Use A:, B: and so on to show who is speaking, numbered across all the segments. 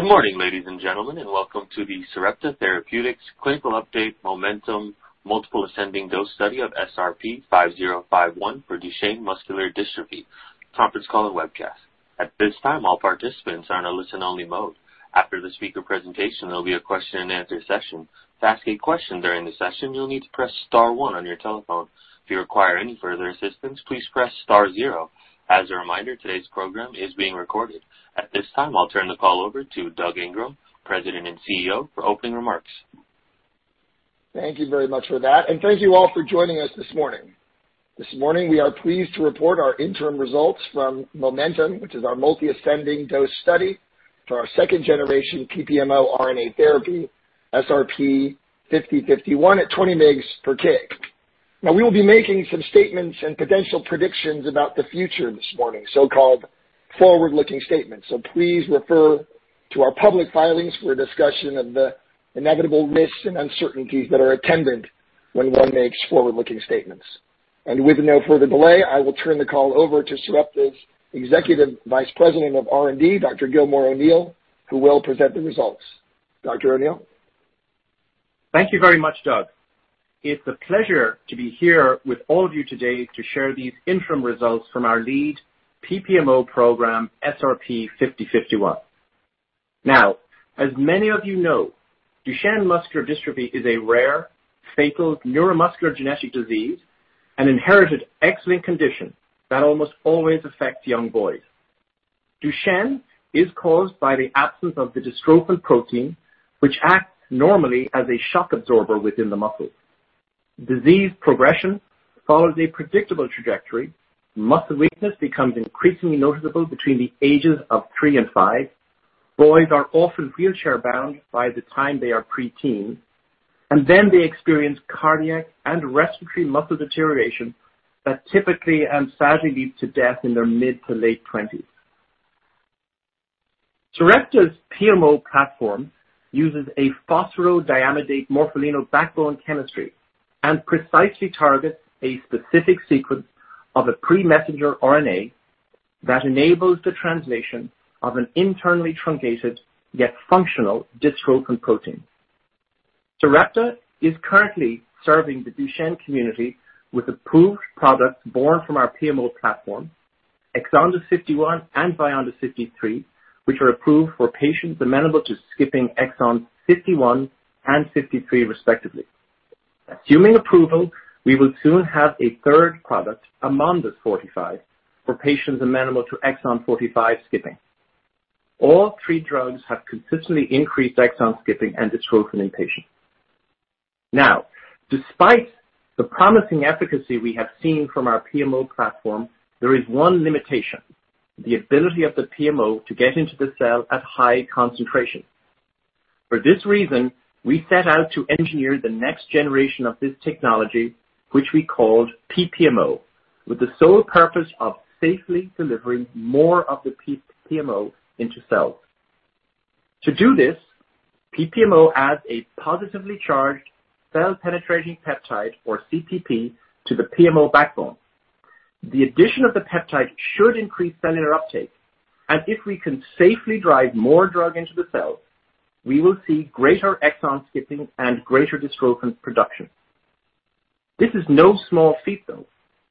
A: Good morning, ladies and gentlemen, and welcome to the Sarepta Therapeutics Clinical Update MOMENTUM Multiple Ascending Dose Study of SRP-5051 for Duchenne Muscular Dystrophy conference call and webcast. At this time, all participants are in a listen-only mode. After the speaker presentation, there will be a question and answer session. To ask a question during the session, you will need to press star one on your telephone. If you require any further assistance, please press star zero. As a reminder, today's program is being recorded. At this time, I will turn the call over to Doug Ingram, President and Chief Executive Officer, for opening remarks.
B: Thank you very much for that, and thank you all for joining us this morning. This morning, we are pleased to report our interim results from MOMENTUM, which is our multi-ascending dose study for our second-generation PPMO RNA therapy, SRP-5051 at 20 mgs per kg. We will be making some statements and potential predictions about the future this morning, so-called forward-looking statements. Please refer to our public filings for a discussion of the inevitable risks and uncertainties that are attendant when one makes forward-looking statements. With no further delay, I will turn the call over to Sarepta's Executive Vice President of R&D, Dr. Gilmore O'Neill, who will present the results. Dr. O'Neill?
C: Thank you very much, Doug. It's a pleasure to be here with all of you today to share these interim results from our lead PPMO program, SRP-5051. As many of you know, Duchenne muscular dystrophy is a rare, fatal neuromuscular genetic disease and inherited X-linked condition that almost always affects young boys. Duchenne is caused by the absence of the dystrophin protein, which acts normally as a shock absorber within the muscle. Disease progression follows a predictable trajectory. Muscle weakness becomes increasingly noticeable between the ages of three and five. Boys are often wheelchair-bound by the time they are preteen, and then they experience cardiac and respiratory muscle deterioration that typically and sadly leads to death in their mid to late twenties. Sarepta's PMO platform uses a phosphorodiamidate morpholino backbone chemistry and precisely targets a specific sequence of a pre-messenger RNA that enables the translation of an internally truncated, yet functional dystrophin protein. Sarepta is currently serving the Duchenne community with approved products born from our PMO platform, EXONDYS 51 and VYONDYS 53, which are approved for patients amenable to skipping exon 51 and 53, respectively. Assuming approval, we will soon have a third product, AMONDYS 45, for patients amenable to exon 45 skipping. All three drugs have consistently increased exon skipping and dystrophin in patients. Now, despite the promising efficacy we have seen from our PMO platform, there is one limitation, the ability of the PMO to get into the cell at high concentration. For this reason, we set out to engineer the next generation of this technology, which we called PPMO, with the sole purpose of safely delivering more of the PMO into cells. To do this, PPMO adds a positively charged Cell-Penetrating Peptide, or CPP, to the PMO backbone. The addition of the peptide should increase cellular uptake, and if we can safely drive more drug into the cell, we will see greater exon skipping and greater dystrophin production. This is no small feat, though,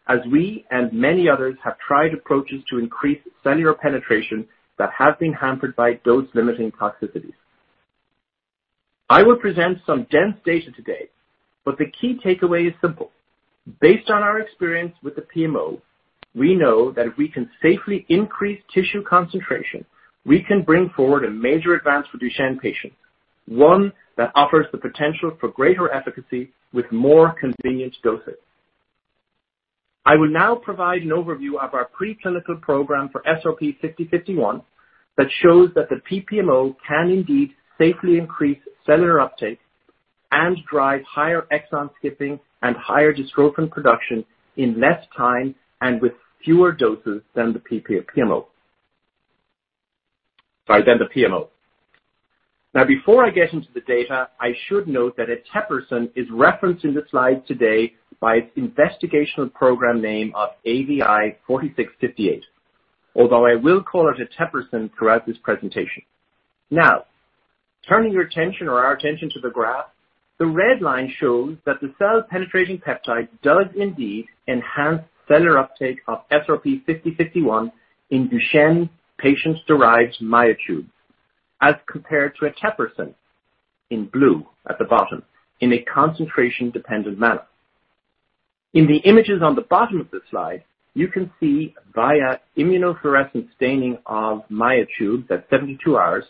C: as we and many others have tried approaches to increase cellular penetration that have been hampered by dose-limiting toxicities. I will present some dense data today, but the key takeaway is simple. Based on our experience with the PMO, we know that if we can safely increase tissue concentration, we can bring forward a major advance for Duchenne patients, one that offers the potential for greater efficacy with more convenient dosing. I will now provide an overview of our preclinical program for SRP-5051 that shows that the PPMO can indeed safely increase cellular uptake and drive higher exon skipping and higher dystrophin production in less time and with fewer doses than the PMO. Before I get into the data, I should note that eteplirsen is referenced in the slides today by its investigational program name of AVI-4658, although I will call it eteplirsen throughout this presentation. Now, turning your attention or our attention to the graph, the red line shows that the Cell-Penetrating Peptides does indeed enhance cellular uptake of SRP-5051 in Duchenne patients' derived myotubes, as compared to eteplirsen, in blue at the bottom, in a concentration-dependent manner. In the images on the bottom of the slide, you can see via immunofluorescent staining of myotubes at 72 hours,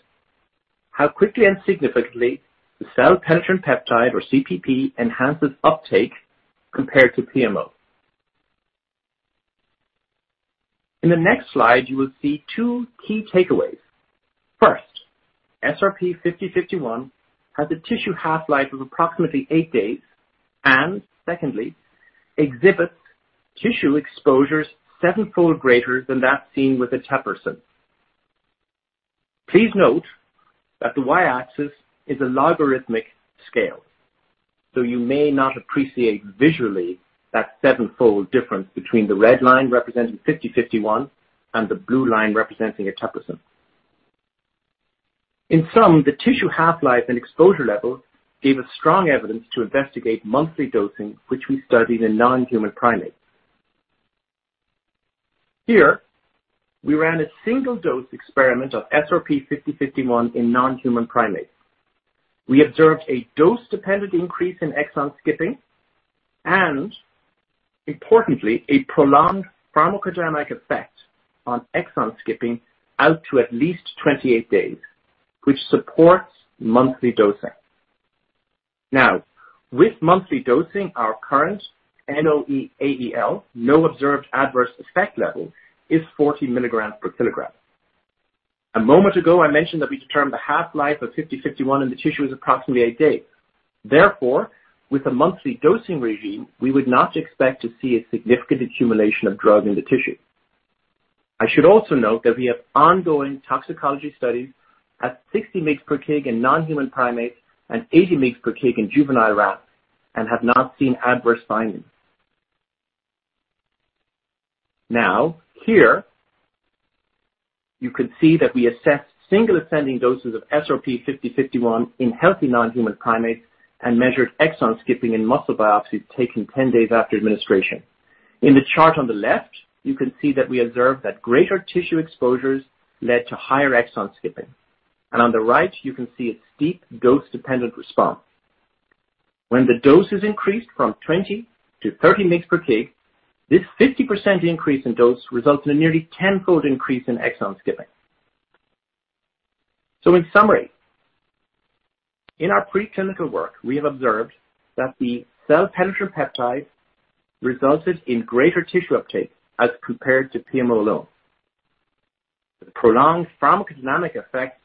C: how quickly and significantly the Cell-Penetrating Peptides, or CPP, enhances uptake compared to PMO. In the next slide, you will see two key takeaways. First, SRP-5051 has a tissue half-life of approximately eight days and secondly, exhibits tissue exposures sevenfold greater than that seen with eteplirsen. Please note that the y-axis is a logarithmic scale. You may not appreciate visually that sevenfold difference between the red line representing SRP-5051 and the blue line representing eteplirsen. In sum, the tissue half-life and exposure level gave us strong evidence to investigate monthly dosing, which we studied in non-human primates. We ran a single dose experiment of SRP-5051 in non-human primates. We observed a dose-dependent increase in exon skipping, and importantly, a prolonged pharmacodynamic effect on exon skipping out to at least 28 days, which supports monthly dosing. With monthly dosing, our current NOAEL, no observed adverse effect level, is 40 milligrams per kilogram. A moment ago, I mentioned that we determined the half-life of 50-51 in the tissue is approximately eight days. With a monthly dosing regime, we would not expect to see a significant accumulation of drug in the tissue. I should also note that we have ongoing toxicology studies at 60 mgs per kg in non-human primates and 80 mgs per kg in juvenile rats and have not seen adverse findings. Here you can see that we assessed single ascending doses of SRP-5051 in healthy non-human primates and measured exon skipping in muscle biopsies taken 10 days after administration. In the chart on the left, you can see that we observed that greater tissue exposures led to higher exon skipping. On the right, you can see a steep dose-dependent response. When the dose is increased from 20 to 30 mg per kg, this 50% increase in dose results in a nearly 10-fold increase in exon skipping. In summary, in our preclinical work, we have observed that the cell-penetrant peptide resulted in greater tissue uptake as compared to PMO alone. The prolonged pharmacodynamic effect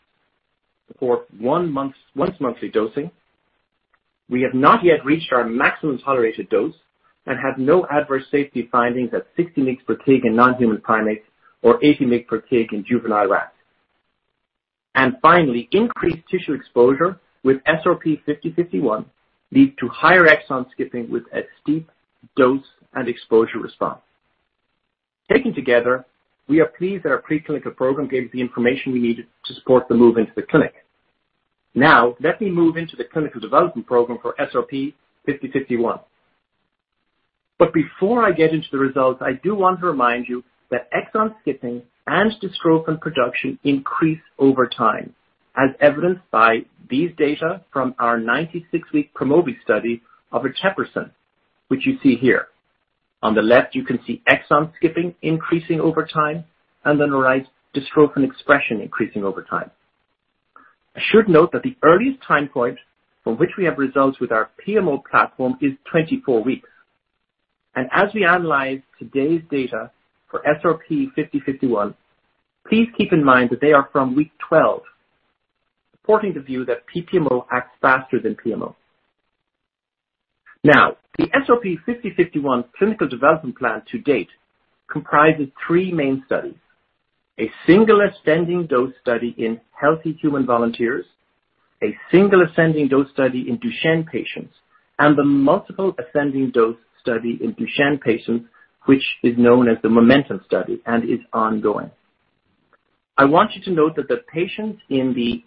C: for once monthly dosing. We have not yet reached our maximum tolerated dose and have no adverse safety findings at 60 mg per kg in non-human primates or 80 mg per kg in juvenile rats. Finally, increased tissue exposure with SRP-5051 leads to higher exon skipping with a steep dose and exposure response. Taken together, we are pleased that our preclinical program gave us the information we needed to support the move into the clinic. Let me move into the clinical development program for SRP-5051. Before I get into the results, I do want to remind you that exon skipping and dystrophin production increase over time, as evidenced by these data from our 96-week PROMOVI study of eteplirsen, which you see here. On the left, you can see exon skipping increasing over time, and on the right, dystrophin expression increasing over time. I should note that the earliest time point from which we have results with our PMO platform is 24 weeks. As we analyze today's data for SRP-5051, please keep in mind that they are from week 12, supporting the view that PPMO acts faster than PMO. The SRP-5051 clinical development plan to date comprises three main studies, a single ascending dose study in healthy human volunteers, a single ascending dose study in Duchenne patients, and the multiple ascending dose study in Duchenne patients, which is known as the MOMENTUM study and is ongoing. I want you to note that the patients in the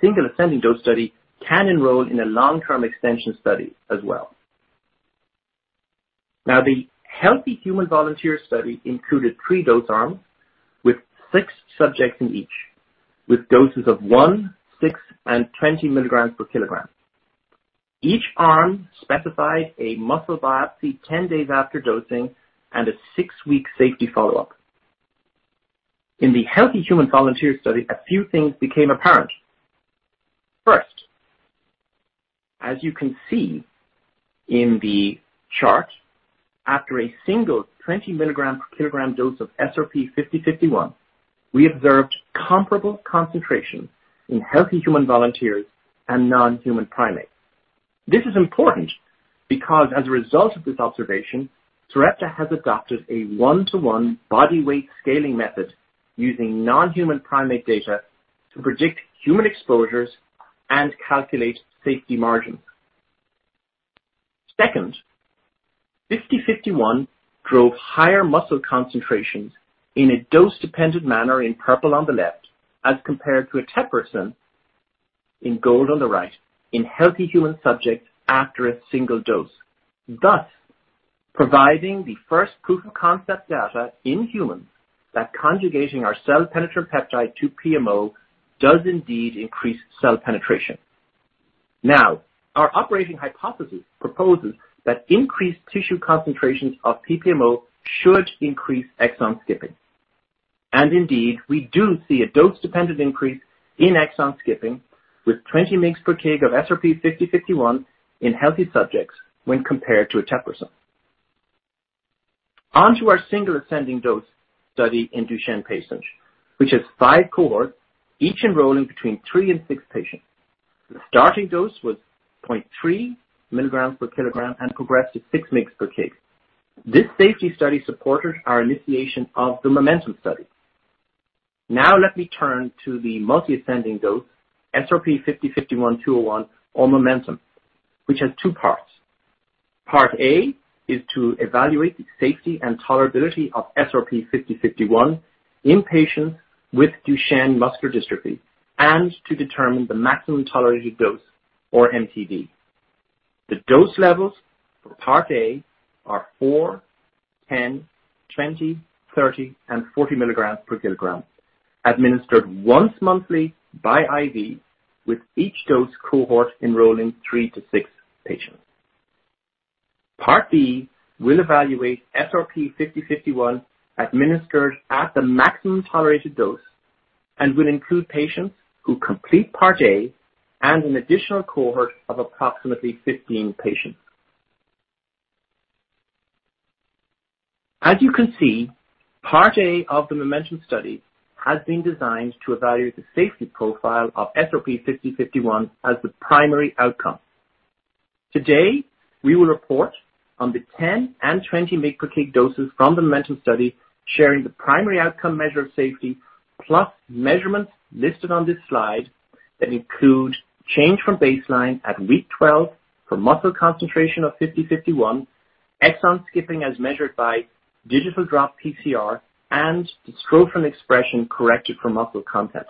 C: single ascending dose study can enroll in a long-term extension study as well. The healthy human volunteer study included three dose arms with six subjects in each, with doses of 1, 6, and 20 milligrams per kilogram. Each arm specified a muscle biopsy 10 days after dosing and a six-week safety follow-up. In the healthy human volunteer study, a few things became apparent. First, as you can see in the chart, after a single 20 milligram per kilogram dose of SRP-5051, we observed comparable concentration in healthy human volunteers and non-human primates. This is important because as a result of this observation, Sarepta has adopted a 1:1 body weight scaling method using non-human primate data to predict human exposures and calculate safety margins. Second, SRP-5051 drove higher muscle concentrations in a dose-dependent manner in purple on the left, as compared to eteplirsen in gold on the right in healthy human subjects after a single dose, thus providing the first proof of concept data in humans that conjugating our cell-penetrant peptide to PMO does indeed increase cell penetration. Now, our operating hypothesis proposes that increased tissue concentrations of PPMO should increase exon skipping. Indeed, we do see a dose-dependent increase in exon skipping with 20 mg/kg of SRP-5051 in healthy subjects when compared to eteplirsen. On to our single ascending dose study in Duchenne muscular dystrophy patients, which has five cohorts, each enrolling between three and six patients. The starting dose was 0.3 mg/kg and progressed to 6 mg/kg. This safety study supported our initiation of the MOMENTUM study. Now let me turn to the multi-ascending dose, SRP-5051-201, or MOMENTUM, which has two parts. Part A is to evaluate the safety and tolerability of SRP-5051 in patients with Duchenne muscular dystrophy and to determine the maximum tolerated dose or MTD. The dose levels for Part A are 4, 10, 20, 30, and 40 mg/kg, administered once monthly by IV, with each dose cohort enrolling three to six patients. Part B will evaluate SRP-5051 administered at the maximum tolerated dose and will include patients who complete Part A and an additional cohort of approximately 15 patients. As you can see, Part A of the MOMENTUM study has been designed to evaluate the safety profile of SRP-5051 as the primary outcome. Today, we will report on the 10 and 20 mg/kg doses from the MOMENTUM study, sharing the primary outcome measure of safety, plus measurements listed on this slide that include change from baseline at week 12 for muscle concentration of 5051, exon skipping as measured by digital droplet PCR, and dystrophin expression corrected for muscle content.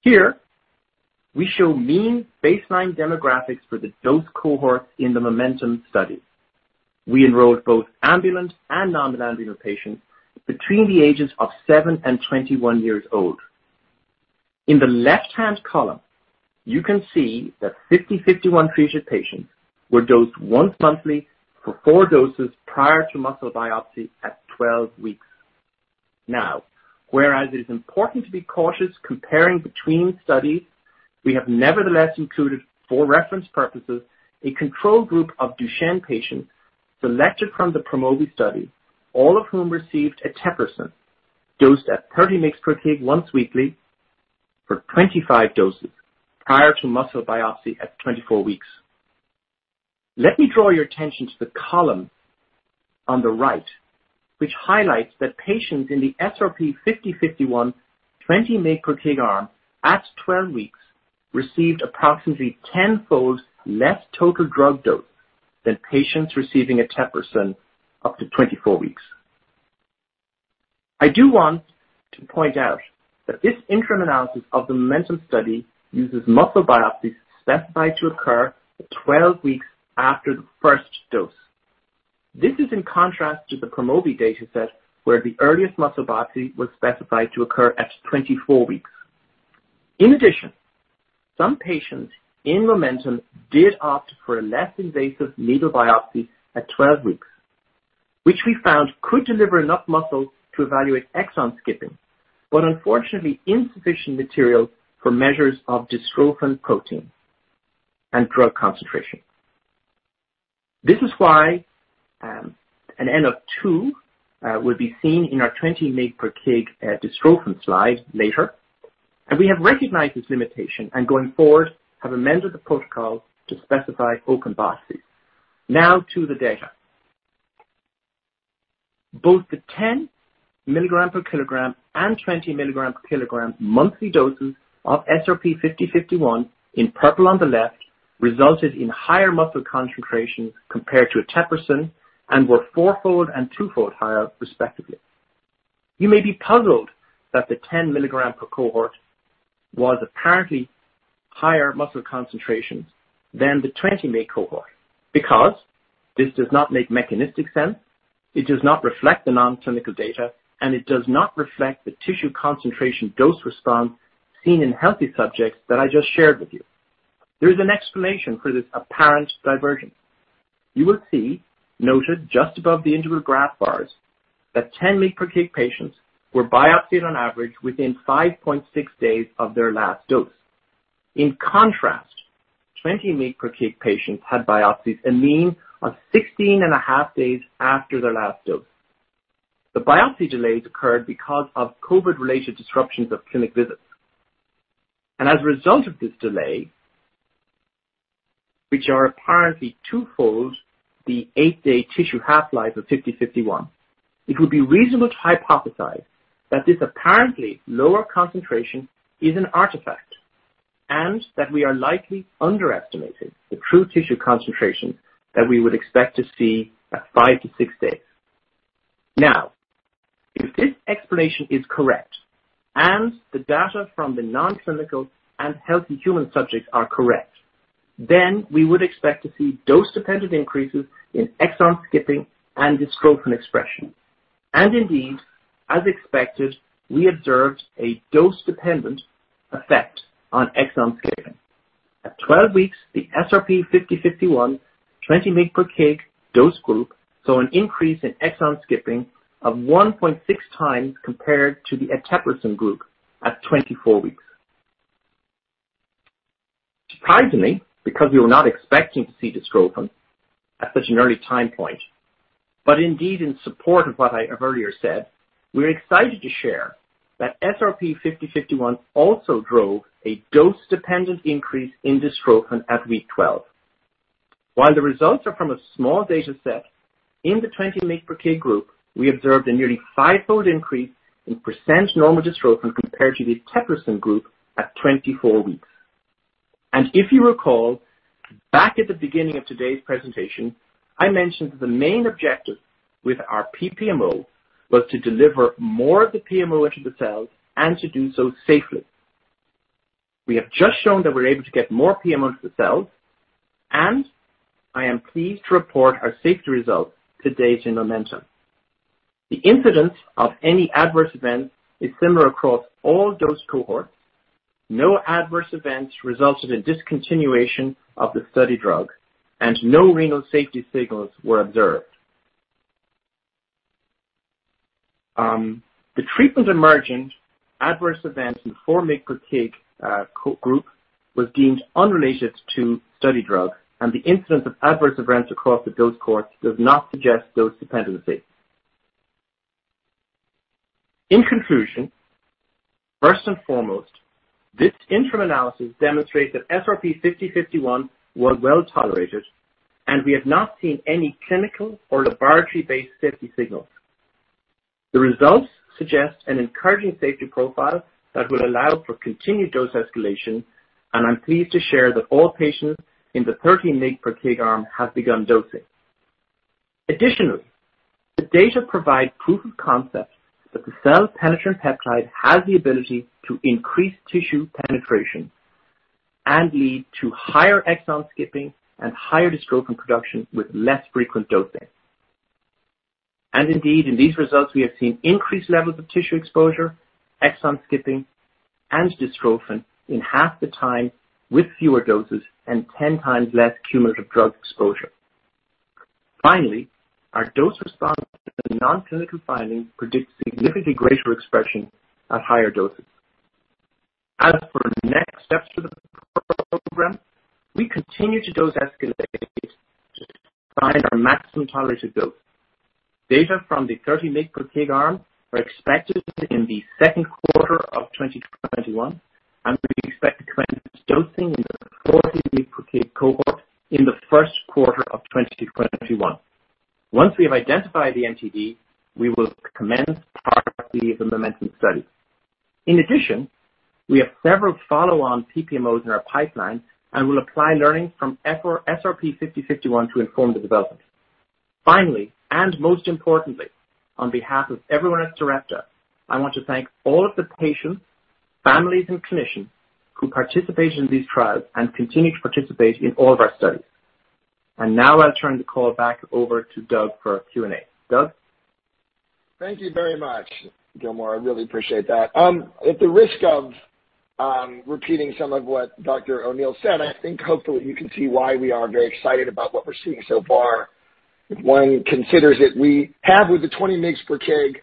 C: Here, we show mean baseline demographics for the dose cohort in the MOMENTUM study. We enrolled both ambulant and non-ambulant patients between the ages of seven and 21 years old. In the left-hand column, you can see that SRP-5051 treated patients were dosed once monthly for four doses prior to muscle biopsy at 12 weeks. Whereas it is important to be cautious comparing between studies, we have nevertheless included, for reference purposes, a control group of Duchenne patients selected from the PROMOVI study, all of whom received eteplirsen dosed at 30 mg/kg once weekly for 25 doses prior to muscle biopsy at 24 weeks. Let me draw your attention to the column on the right, which highlights that patients in the SRP-5051 20 mg/kg arm at 12 weeks received approximately 10-fold less total drug dose than patients receiving eteplirsen up to 24 weeks. I do want to point out that this interim analysis of the MOMENTUM study uses muscle biopsies specified to occur at 12 weeks after the first dose. This is in contrast to the PROMOVI dataset, where the earliest muscle biopsy was specified to occur at 24 weeks. Some patients in MOMENTUM did opt for a less invasive needle biopsy at 12 weeks, which we found could deliver enough muscle to evaluate exon skipping, but unfortunately insufficient material for measures of dystrophin protein and drug concentration. This is why an N of two will be seen in our 20 mg/kg dystrophin slide later. We have recognized this limitation and going forward, have amended the protocol to specify open biopsies. Now to the data. Both the 10 mg/kg and 20 mg/kg monthly doses of SRP-5051, in purple on the left, resulted in higher muscle concentrations compared to eteplirsen and were fourfold and twofold higher respectively. You may be puzzled that the 10 mg per cohort was apparently higher muscle concentrations than the 20 mg cohort because this does not make mechanistic sense, it does not reflect the non-clinical data, and it does not reflect the tissue concentration dose response seen in healthy subjects that I just shared with you. There is an explanation for this apparent divergence. You will see, noted just above the interval graph bars, that 10 mg/kg patients were biopsied on average within 5.6 days of their last dose. In contrast, 20 mg/kg patients had biopsies a mean of 16 and a half days after their last dose. The biopsy delays occurred because of COVID-related disruptions of clinic visits. As a result of this delay, which are apparently two-fold the eight-day tissue half-life of 5051, it would be reasonable to hypothesize that this apparently lower concentration is an artifact, and that we are likely underestimating the true tissue concentration that we would expect to see at 5-6 days. If this explanation is correct and the data from the non-clinical and healthy human subjects are correct, then we would expect to see dose-dependent increases in exon skipping and dystrophin expression. Indeed, as expected, we observed a dose-dependent effect on exon skipping. At 12 weeks, the SRP-5051-201 20 mg/kg dose group saw an increase in exon skipping of 1.6x compared to the eteplirsen group at 24 weeks. Surprisingly, because we were not expecting to see dystrophin at such an early time point, but indeed in support of what I have earlier said, we're excited to share that SRP-5051 also drove a dose-dependent increase in dystrophin at week 12. While the results are from a small data set, in the 20 mg per kg group, we observed a nearly fivefold increase in percent normal dystrophin compared to the eteplirsen group at 24 weeks. If you recall, back at the beginning of today's presentation, I mentioned that the main objective with our PPMO was to deliver more of the PMO into the cells and to do so safely. We have just shown that we're able to get more PMO into the cells, and I am pleased to report our safety results to date in MOMENTUM. The incidence of any adverse event is similar across all dose cohorts. No adverse events resulted in discontinuation of the study drug, and no renal safety signals were observed. The Treatment-Emergent Adverse Events in 4 mg per kg group was deemed unrelated to study drug, and the incidence of adverse events across the dose cohorts does not suggest dose dependency. In conclusion, first and foremost, this interim analysis demonstrates that SRP-5051 was well-tolerated, and we have not seen any clinical or laboratory-based safety signals. The results suggest an encouraging safety profile that will allow for continued dose escalation, and I'm pleased to share that all patients in the 30 mg per kg arm have begun dosing. Additionally, the data provide proof of concept that the cell-penetrant peptide has the ability to increase tissue penetration and lead to higher exon skipping and higher dystrophin production with less frequent dosing. Indeed, in these results, we have seen increased levels of tissue exposure, exon skipping, and dystrophin in half the time with fewer doses and 10x less cumulative drug exposure. Finally, our dose response and non-clinical findings predict significantly greater expression at higher doses. As for next steps for the program, we continue to dose escalate to find our MTD. Data from the 30 mg/kg arm are expected in the second quarter of 2021, and we expect to commence dosing in the 40 mg/kg cohort in the first quarter of 2021. Once we have identified the MTD, we will commence the MOMENTUM study. In addition, we have several follow-on PPMOs in our pipeline and will apply learnings from SRP-5051 to inform the development. Finally, most importantly, on behalf of everyone at Sarepta, I want to thank all of the patients, families, and clinicians who participate in these trials and continue to participate in all of our studies. Now I'll turn the call back over to Doug for Q&A. Doug?
B: Thank you very much, Gilmore. I really appreciate that. At the risk of repeating some of what Dr. O'Neill said, I think hopefully you can see why we are very excited about what we're seeing so far. If one considers that we have with the 20 mg/kg,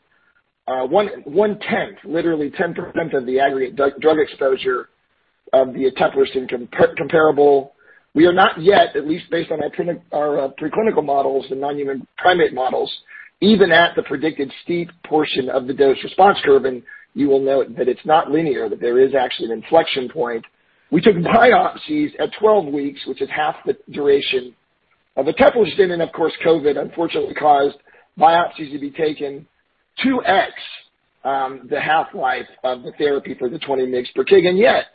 B: 1/10, literally 10% of the aggregate drug exposure of the eteplirsen comparable. We are not yet, at least based on our preclinical models, the non-human primate models, even at the predicted steep portion of the dose response curve. You will note that it's not linear, that there is actually an inflection point. We took biopsies at 12 weeks, which is half the duration of eteplirsen, and of course, COVID unfortunately caused biopsies to be taken 2x the half-life of the therapy for the 20 mg/kg. Yet,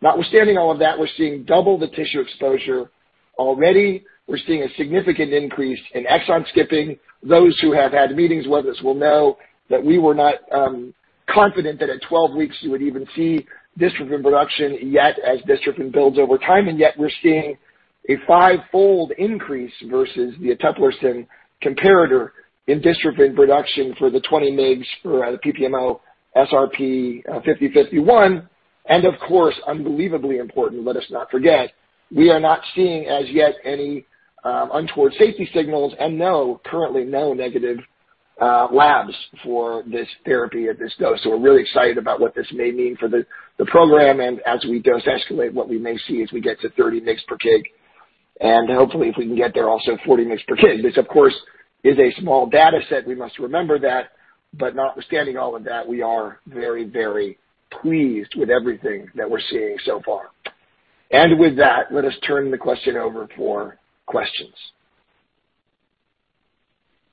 B: notwithstanding all of that, we're seeing double the tissue exposure already. We're seeing a significant increase in exon skipping. Those who have had meetings with us will know that we were not confident that at 12 weeks you would even see dystrophin production yet, as dystrophin builds over time, and yet we're seeing a fivefold increase versus the eteplirsen comparator in dystrophin production for the 20 mgs for the PPMO SRP-5051. Of course, unbelievably important, let us not forget, we are not seeing as yet any untoward safety signals and currently no negative labs for this therapy at this dose. We're really excited about what this may mean for the program and as we dose escalate, what we may see as we get to 30 mgs per kg and hopefully if we can get there also 40 mgs per kg. This of course is a small data set, we must remember that, notwithstanding all of that, we are very pleased with everything that we're seeing so far. With that, let us turn the question over for questions.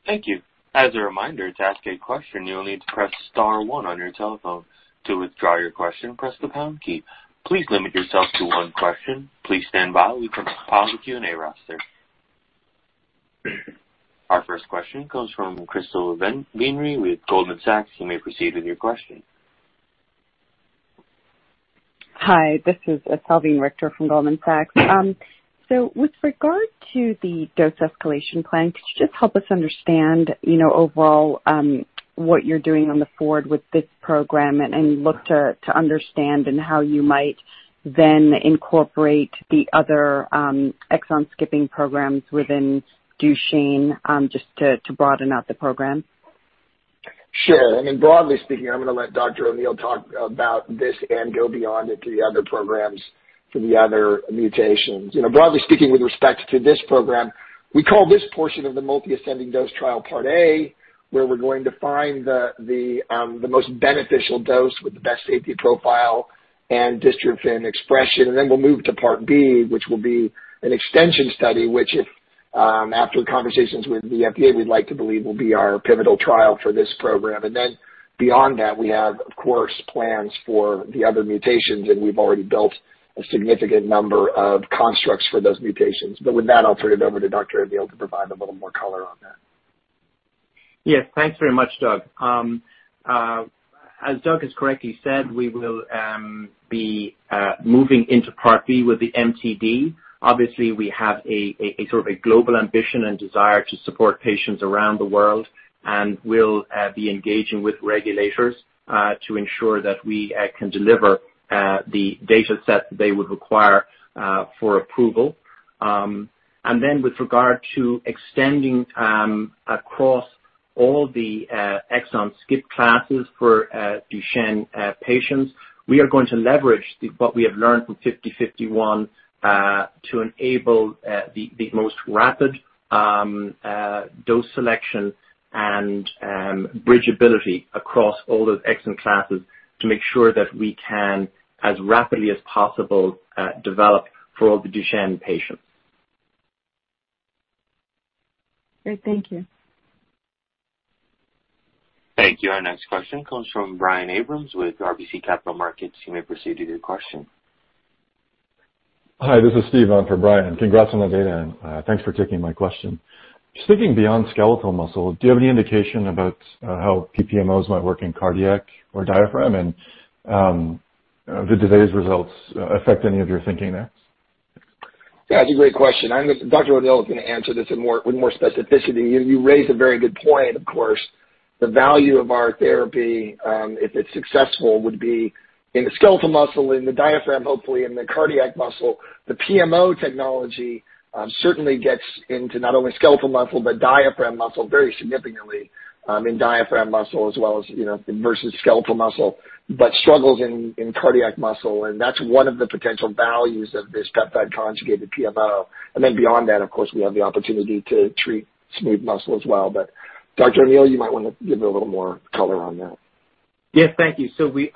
A: Thank you. As a reminder, to ask a question, you'll need to press star one on your telephone. To withdraw your question, press the pound key. Please limit yourself to one question. Please stand by. We've compiled the Q&A roster. Our first question comes from [Crystal Vinery] with Goldman Sachs. You may proceed with your question.
D: Hi, this is Salveen Richter from Goldman Sachs. With regard to the dose escalation plan, could you just help us understand overall what you're doing on the forward with this program and look to understand and how you might then incorporate the other exon skipping programs within Duchenne just to broaden out the program?
B: Sure. I mean, broadly speaking, I'm going to let Dr. O'Neill talk about this and go beyond it to the other programs for the other mutations. Broadly speaking, with respect to this program. We call this portion of the multi-ascending dose trial part A, where we're going to find the most beneficial dose with the best safety profile and dystrophin expression. We'll move to part B, which will be an extension study, which if after conversations with the FDA, we'd like to believe will be our pivotal trial for this program. Beyond that, we have, of course, plans for the other mutations, and we've already built a significant number of constructs for those mutations. With that, I'll turn it over to Dr. O'Neill to provide a little more color on that.
C: Yes. Thanks very much, Doug. As Doug has correctly said, we will be moving into part B with the MTD. Obviously, we have a sort of global ambition and desire to support patients around the world, and we'll be engaging with regulators to ensure that we can deliver the data set they would require for approval. With regard to extending across all the exon skip classes for Duchenne patients, we are going to leverage what we have learned from SRP-5051 to enable the most rapid dose selection and bridgeability across all those exon classes to make sure that we can, as rapidly as possible, develop for all the Duchenne patients.
D: Great. Thank you.
A: Thank you. Our next question comes from Brian Abrahams with RBC Capital Markets. You may proceed with your question.
E: Hi, this is Steve on for Brian. Congrats on the data, and thanks for taking my question. Speaking beyond skeletal muscle, do you have any indication about how PPMOs might work in cardiac or diaphragm, and do today's results affect any of your thinking there?
B: Yeah, it's a great question. Dr. O'Neill is going to answer this with more specificity. You raise a very good point, of course. The value of our therapy, if it's successful, would be in the skeletal muscle, in the diaphragm, hopefully in the cardiac muscle. The PMO technology certainly gets into not only skeletal muscle but diaphragm muscle very significantly, in diaphragm muscle as well as versus skeletal muscle, but struggles in cardiac muscle, that's one of the potential values of this peptide-conjugated PMO. Beyond that, of course, we have the opportunity to treat smooth muscle as well. Dr. O'Neill, you might want to give a little more color on that.
C: Yes, thank you. We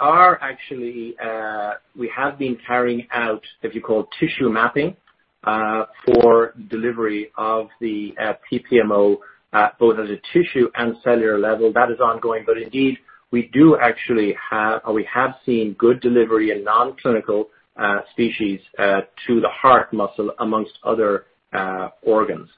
C: have been carrying out, if you call, tissue mapping for delivery of the PPMO, both at a tissue and cellular level. That is ongoing. Indeed, we have seen good delivery in non-clinical species to the heart muscle amongst other organs.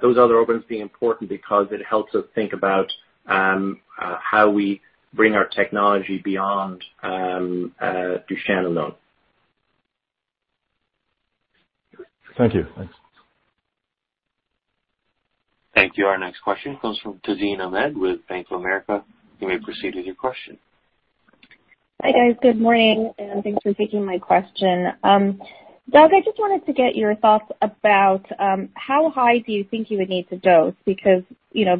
C: Those other organs being important because it helps us think about how we bring our technology beyond Duchenne alone.
E: Thank you. Thanks.
A: Thank you. Our next question comes from Tazeen Ahmad with Bank of America. You may proceed with your question.
F: Hi. Good morning, and thanks for taking my question. Doug, I just wanted to get your thoughts about how high do you think you would need to dose, because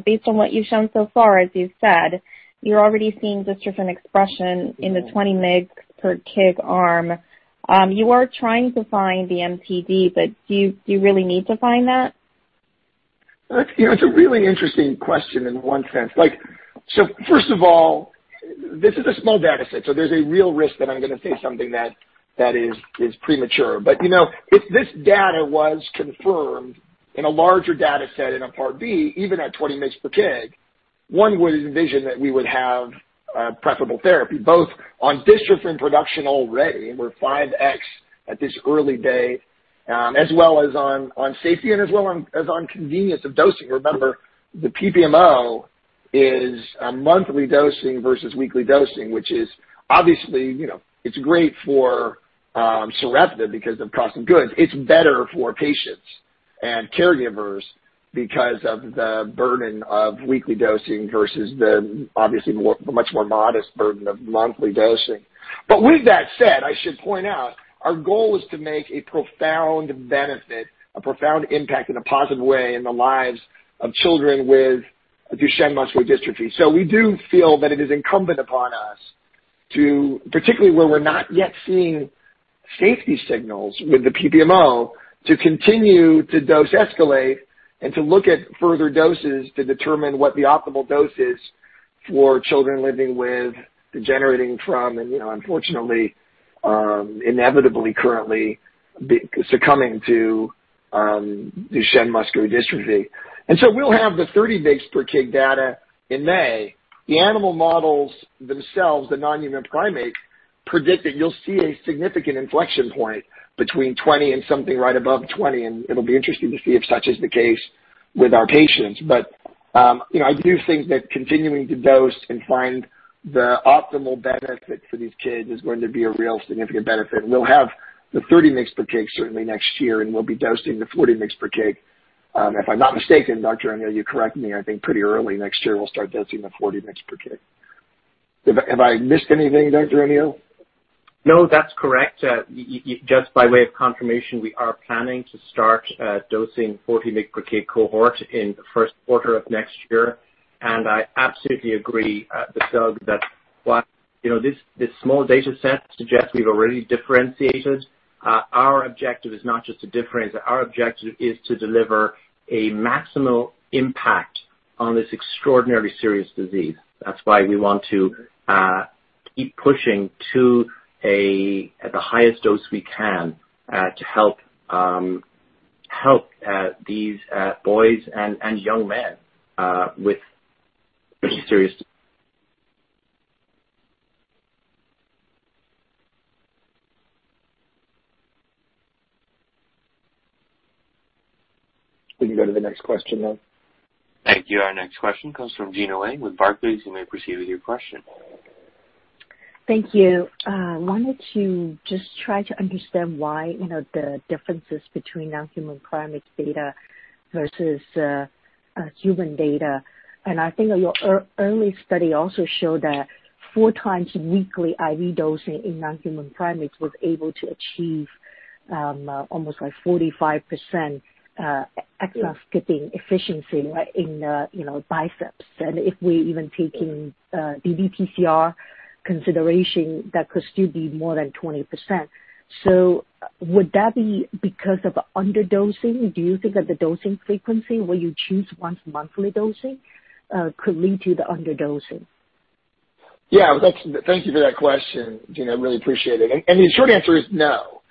F: based on what you've shown so far, as you've said, you're already seeing dystrophin expression in the 20 mg per kg arm. You are trying to find the MTD, but do you really need to find that?
B: That's a really interesting question in one sense. First of all, this is a small data set, so there's a real risk that I'm going to say something that is premature. If this data was confirmed in a larger data set in a part B, even at 20 mg per kg, one would envision that we would have preferable therapy, both on dystrophin production already, and we're 5X at this early day, as well as on safety and as well as on convenience of dosing. Remember, the PPMO is a monthly dosing versus weekly dosing, which is obviously great for Sarepta because of cost of goods. It's better for patients and caregivers because of the burden of weekly dosing versus the obviously much more modest burden of monthly dosing. With that said, I should point out our goal is to make a profound benefit, a profound impact in a positive way in the lives of children with Duchenne muscular dystrophy. We do feel that it is incumbent upon us, particularly where we're not yet seeing safety signals with the PPMO, to continue to dose escalate and to look at further doses to determine what the optimal dose is for children living with degenerating from and unfortunately inevitably currently succumbing to Duchenne muscular dystrophy. We'll have the 30 mg per kg data in May. The animal models themselves, the non-human primate, predict that you'll see a significant inflection point between 20 and something right above 20, and it'll be interesting to see if such is the case with our patients. I do think that continuing to dose and find the optimal benefit for these kids is going to be a real significant benefit. We'll have the 30 mg per kg certainly next year, and we'll be dosing the 40 mg per kg. If I'm not mistaken, Dr. O'Neill, you correct me, I think pretty early next year, we'll start dosing the 40 mg per kg. Have I missed anything, Dr. O'Neill?
C: No, that's correct. Just by way of confirmation, we are planning to start dosing 40 mg per kg cohort in the first quarter of next year. I absolutely agree, Doug, that while this small data set suggests we've already differentiated, our objective is not just to differentiate. Our objective is to deliver a maximal impact on this extraordinarily serious disease. That's why we want to keep pushing to at the highest dose we can to help these boys and young men with serious...
B: We can go to the next question now.
A: Thank you. Our next question comes from Gena Wang with Barclays. You may proceed with your question.
G: Thank you. Wanted to just try to understand why the differences between non-human primate data versus human data. I think your early study also showed that four times weekly IV dosing in non-human primates was able to achieve almost like 45% exon skipping efficiency in biceps. If we're even taking ddPCR consideration, that could still be more than 20%. Would that be because of underdosing? Do you think that the dosing frequency, will you choose once monthly dosing, could lead to the underdosing?
B: Yeah. Thank you for that question, Gena. I really appreciate it. The short answer is no.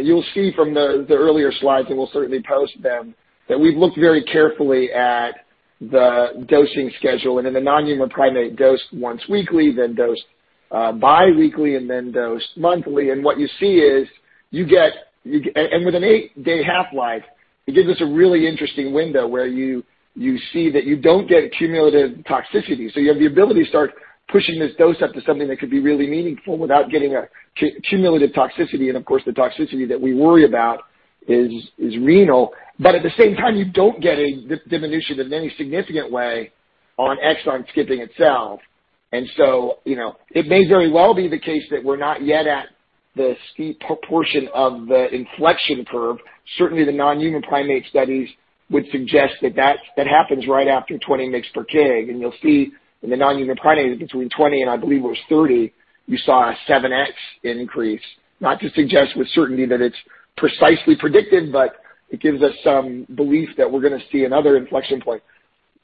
B: You'll see from the earlier slides, and we'll certainly post them, that we've looked very carefully at the dosing schedule and in the non-human primate dosed once weekly, then dosed biweekly, and then dosed monthly. With an eight-day half-life, it gives us a really interesting window where you see that you don't get cumulative toxicity. You have the ability to start pushing this dose up to something that could be really meaningful without getting cumulative toxicity. Of course, the toxicity that we worry about is renal, but at the same time, you don't get a diminution in any significant way on exon skipping itself. It may very well be the case that we're not yet at the steep portion of the inflection curve. Certainly, the non-human primate studies would suggest that that happens right after 20 mgs per kg. You'll see in the non-human primates between 20 and I believe it was 30, you saw a 7X increase. Not to suggest with certainty that it's precisely predicted, but it gives us some belief that we're going to see another inflection point.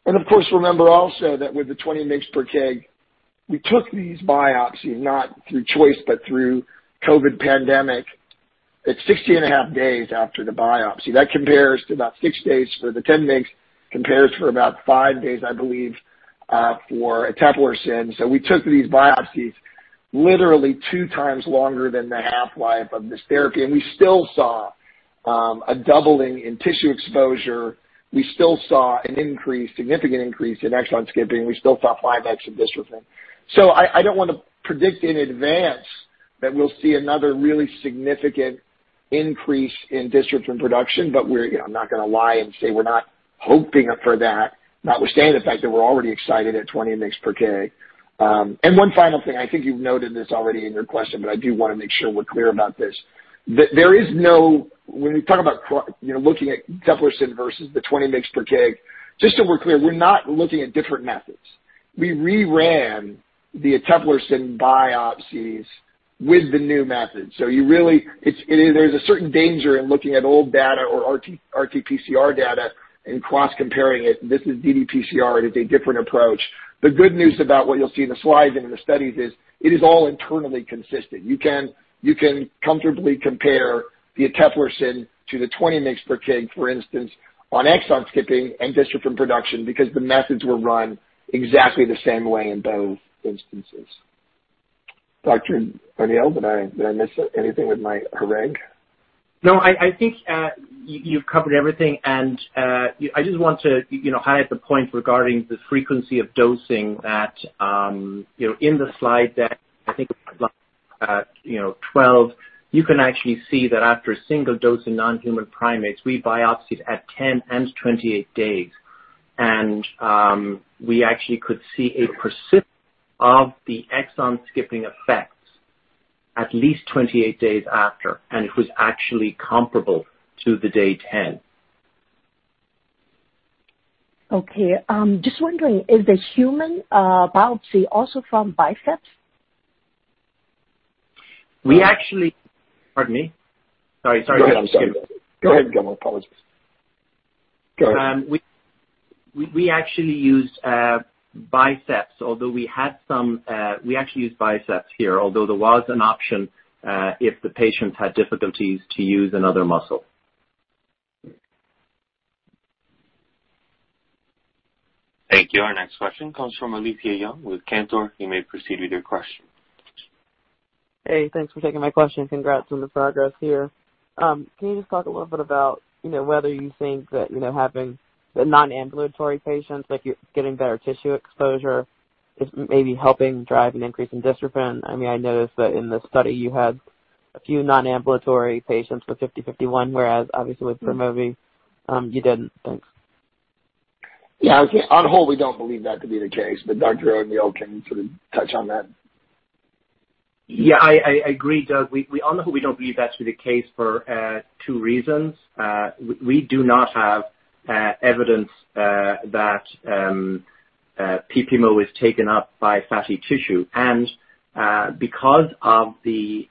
B: Of course, remember also that with the 20 mgs per kg, we took these biopsies not through choice, but through COVID pandemic. It's 16 and a half days after the biopsy. That compares to about six days for the 10 mgs, compares for about five days, I believe, for eteplirsen. We took these biopsies literally two times longer than the half-life of this therapy, and we still saw a doubling in tissue exposure. We still saw a significant increase in exon skipping. We still saw 5x of dystrophin. I don't want to predict in advance that we'll see another really significant increase in dystrophin production, but I'm not going to lie and say we're not hoping for that, notwithstanding the fact that we're already excited at 20 mgs per kg. One final thing, I think you've noted this already in your question, but I do want to make sure we're clear about this. When we talk about looking at eteplirsen versus the 20 mgs per kg, just so we're clear, we're not looking at different methods. We reran the eteplirsen biopsies with the new method. There's a certain danger in looking at old data or RT-PCR data and cross-comparing it. This is ddPCR, and it's a different approach. The good news about what you'll see in the slides and in the studies is it is all internally consistent. You can comfortably compare the eteplirsen to the 20 mgs per kg, for instance, on exon skipping and dystrophin production because the methods were run exactly the same way in both instances. Dr. O'Neill, did I miss anything with my harangue?
C: No, I think you've covered everything. I just want to highlight the point regarding the frequency of dosing that in the slide deck, I think 12, you can actually see that after a single dose in non-human primates, we biopsied at ten and 28 days. We actually could see a persistence of the exon-skipping effects at least 28 days after, and it was actually comparable to the day 10.
G: Okay. Just wondering, is the human biopsy also from biceps?
C: We actually-
B: Pardon me. Sorry. Go ahead.
C: I'm sorry.
B: Go ahead, Gilmore. Apologies. Go ahead.
C: We actually used biceps here, although there was an option if the patient had difficulties to use another muscle.
A: Thank you. Our next question comes from Alethia Young with Cantor. You may proceed with your question.
H: Hey, thanks for taking my question. Congrats on the progress here. Can you just talk a little bit about whether you think that having the non-ambulatory patients, like you're getting better tissue exposure, is maybe helping drive an increase in dystrophin? I noticed that in the study, you had a few non-ambulatory patients with SRP-5051, whereas obviously with PROMOVI, you didn't. Thanks.
B: Yeah. On whole, we don't believe that to be the case, but Dr. O'Neill can sort of touch on that.
C: Yeah, I agree, Doug. On the whole, we don't believe that to be the case for two reasons. We do not have evidence that PPMO is taken up by fatty tissue. Because we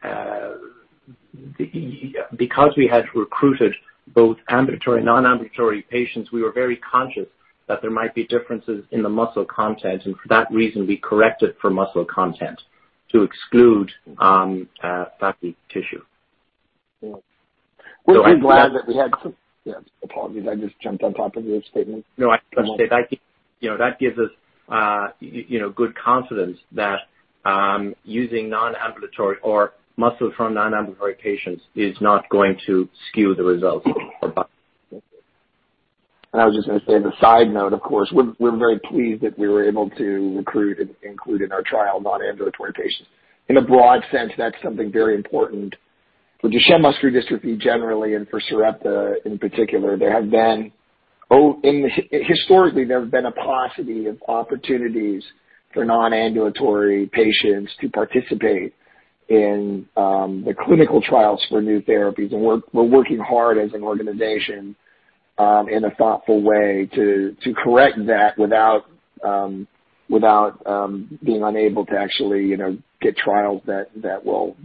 C: had recruited both ambulatory and non-ambulatory patients, we were very conscious that there might be differences in the muscle content. For that reason, we corrected for muscle content to exclude fatty tissue.
B: Yeah. Apologies, I just jumped on top of your statement.
C: No. I was going to say, that gives us good confidence that using muscle from non-ambulatory patients is not going to skew the results.
B: I was just going to say as a side note, of course, we're very pleased that we were able to recruit and include in our trial non-ambulatory patients. In a broad sense, that's something very important for Duchenne muscular dystrophy generally, and for Sarepta in particular. Historically, there have been a paucity of opportunities for non-ambulatory patients to participate in the clinical trials for new therapies. We're working hard as an organization in a thoughtful way to correct that without being unable to actually get trials that will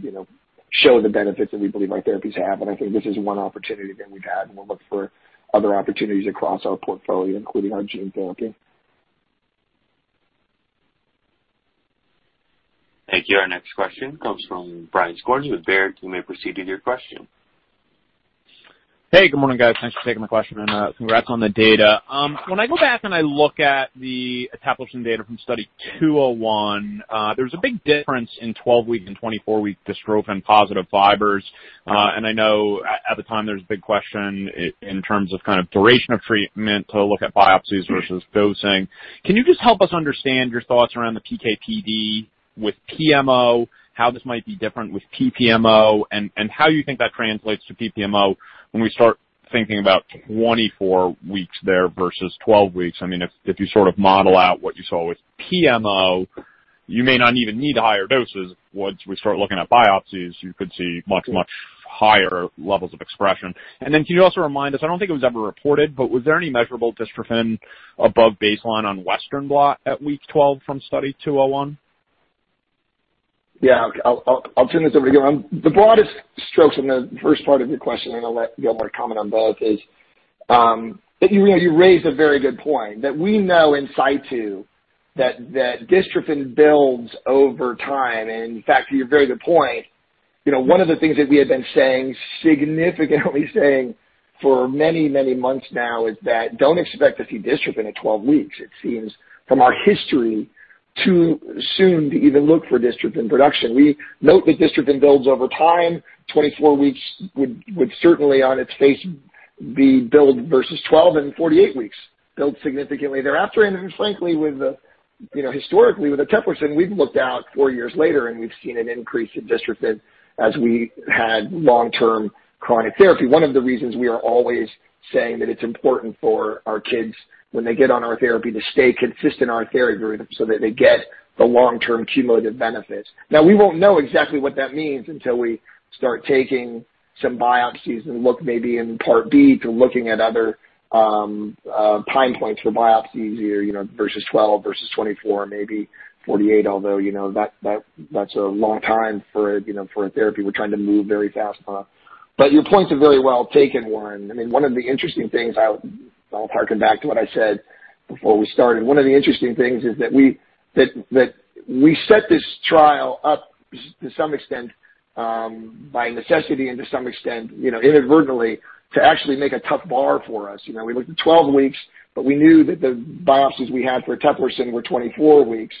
B: show the benefits that we believe our therapies have. I think this is one opportunity that we've had, and we'll look for other opportunities across our portfolio, including our gene therapy.
A: Thank you. Our next question comes from Brian Skorney with Baird. You may proceed with your question.
I: Hey, good morning, guys. Thanks for taking my question, and congrats on the data. When I go back and I look at the eteplirsen data from Study 201, there's a big difference in 12-week and 24-week dystrophin-positive fibers. I know at the time there was a big question in terms of duration of treatment to look at biopsies versus dosing. Can you just help us understand your thoughts around the PK/PD with PMO, how this might be different with PPMO, and how you think that translates to PPMO when we start thinking about 24 weeks there versus 12 weeks? If you sort of model out what you saw with PMO, you may not even need higher doses. Once we start looking at biopsies, you could see much, much higher levels of expression. Can you also remind us, I don't think it was ever reported, but was there any measurable dystrophin above baseline on western blot at week 12 from Study 201?
B: Yeah. I'll turn this over to Gilmore. The broadest strokes in the first part of your question, and I'll let Gilmore comment on both, is that you raised a very good point, that we know in situ that dystrophin builds over time. In fact, to your very good point, one of the things that we have been saying, significantly saying for many, many months now is that don't expect to see dystrophin at 12 weeks. It seems, from our history, too soon to even look for dystrophin production. We note that dystrophin builds over time. 24 weeks would certainly, on its face, be build versus 12 and 48 weeks, build significantly thereafter. Frankly, historically, with eteplirsen, we've looked out four years later and we've seen an increase in dystrophin as we had long-term chronic therapy. One of the reasons we are always saying that it's important for our kids, when they get on our therapy, to stay consistent on our therapy so that they get the long-term cumulative benefits. Now, we won't know exactly what that means until we start taking some biopsies and look maybe in Part B to looking at other time points for biopsies versus 12 versus 24, maybe 48. Although, that's a long time for a therapy. We're trying to move very fast. But your points are very well taken, Brian. I'll harken back to what I said before we started. One of the interesting things is that we set this trial up to some extent by necessity and to some extent inadvertently, to actually make a tough bar for us. We looked at 12 weeks, but we knew that the biopsies we had for eteplirsen were 24 weeks.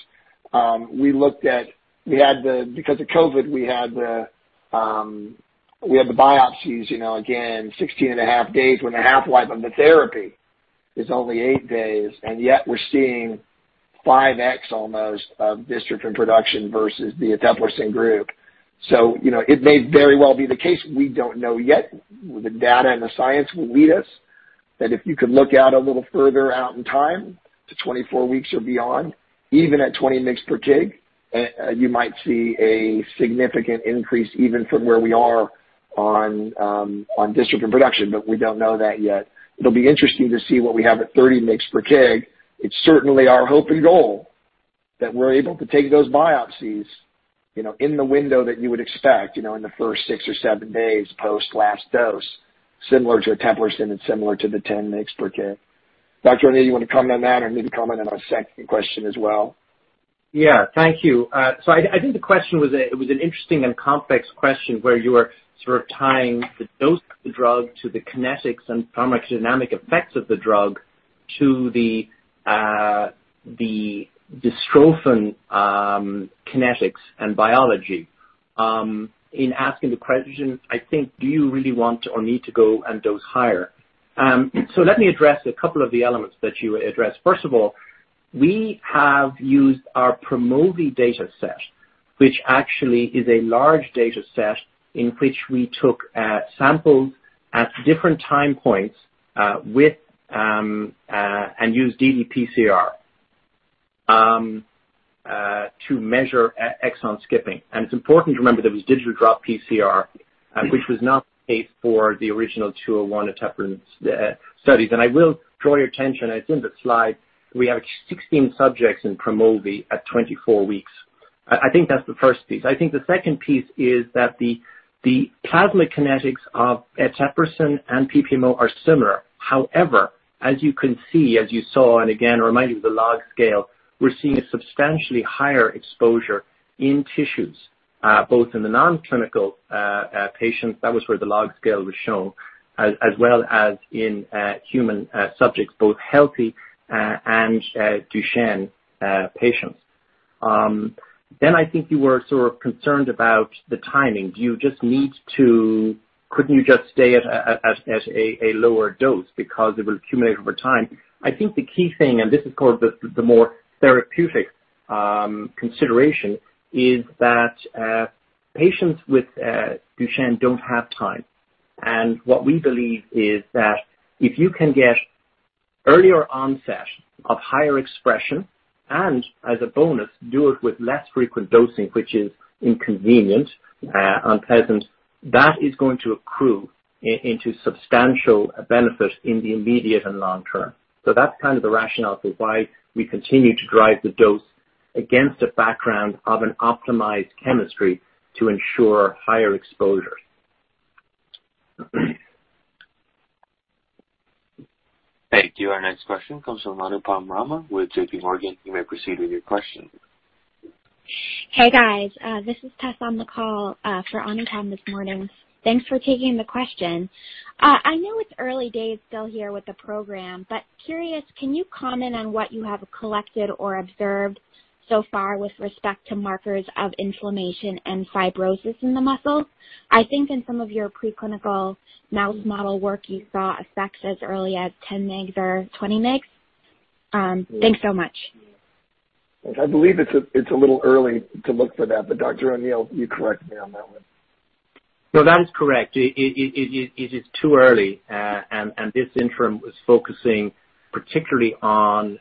B: We had the biopsies again 16 and a half days when the half-life of the therapy is only eight days, yet we're seeing 5x almost of dystrophin production versus the eteplirsen group. It may very well be the case, we don't know yet. The data and the science will lead us, that if you could look out a little further out in time to 24 weeks or beyond, even at 20 mgs per kg, you might see a significant increase even from where we are on dystrophin production, we don't know that yet. It'll be interesting to see what we have at 30 mgs per kg. It's certainly our hope and goal that we're able to take those biopsies in the window that you would expect, in the first six or seven days post last dose, similar to eteplirsen and similar to the 10 mgs per kg. Dr. O'Neill, you want to comment on that, or need to comment on a second question as well?
C: Thank you. I think the question was an interesting and complex question where you were sort of tying the dose of the drug to the kinetics and pharmacodynamic effects of the drug to the dystrophin kinetics and biology. In asking the question, I think, do you really want or need to go and dose higher? Let me address a couple of the elements that you addressed. First of all, we have used our PROMOVI data set, which actually is a large data set in which we took samples at different time points and used ddPCR to measure exon skipping. It's important to remember that it was digital droplet PCR, which was not the case for the original 201 eteplirsen studies. I will draw your attention. It's in the slide. We have 16 subjects in PROMOVE at 24 weeks. I think that's the first piece. I think the second piece is that the plasma kinetics of eteplirsen and PPMO are similar. As you can see, as you saw, and again, remind you of the log scale, we're seeing a substantially higher exposure in tissues, both in the non-clinical patients, that was where the log scale was shown, as well as in human subjects, both healthy and Duchenne patients. I think you were sort of concerned about the timing. Couldn't you just stay at a lower dose because it will accumulate over time? I think the key thing, and this is called the more therapeutic consideration, is that patients with Duchenne don't have time. What we believe is that if you can get earlier onset of higher expression and as a bonus, do it with less frequent dosing, which is inconvenient, unpleasant, that is going to accrue into substantial benefit in the immediate and long term. That's kind of the rationale for why we continue to drive the dose against a background of an optimized chemistry to ensure higher exposure.
A: Thank you. Our next question comes from Anupam Rama with JPMorgan. You may proceed with your question.
J: Hey, guys. This is Tess on the call for Anupam this morning. Thanks for taking the question. Curious, can you comment on what you have collected or observed so far with respect to markers of inflammation and fibrosis in the muscle? I think in some of your preclinical mouse model work, you saw effects as early as 10 mgs or 20 mgs. Thanks so much.
B: Yes. I believe it's a little early to look for that, Dr. O'Neill, you correct me on that one.
C: No, that is correct. It is too early. This interim was focusing particularly on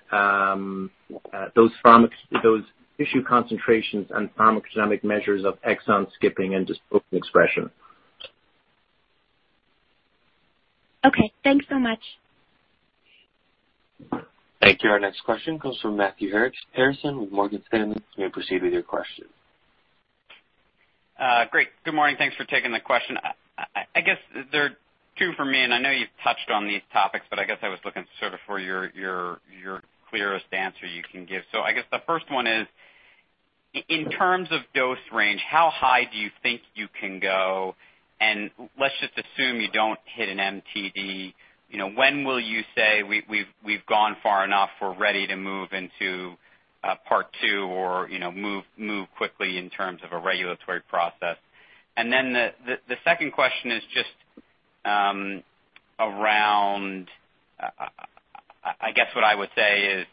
C: those tissue concentrations and pharmacodynamic measures of exon skipping and dystrophin expression.
J: Okay, thanks so much.
A: Thank you. Our next question comes from Matthew Harrison with Morgan Stanley. You may proceed with your question.
K: Great. Good morning. Thanks for taking the question. I guess there are two for me, and I know you've touched on these topics, but I guess I was looking sort of for your clearest answer you can give. I guess the first one is, in terms of dose range, how high do you think you can go? Let's just assume you don't hit an MTD. When will you say, "We've gone far enough. We're ready to move into part II," or move quickly in terms of a regulatory process? The second question is just around, I guess what I would say is,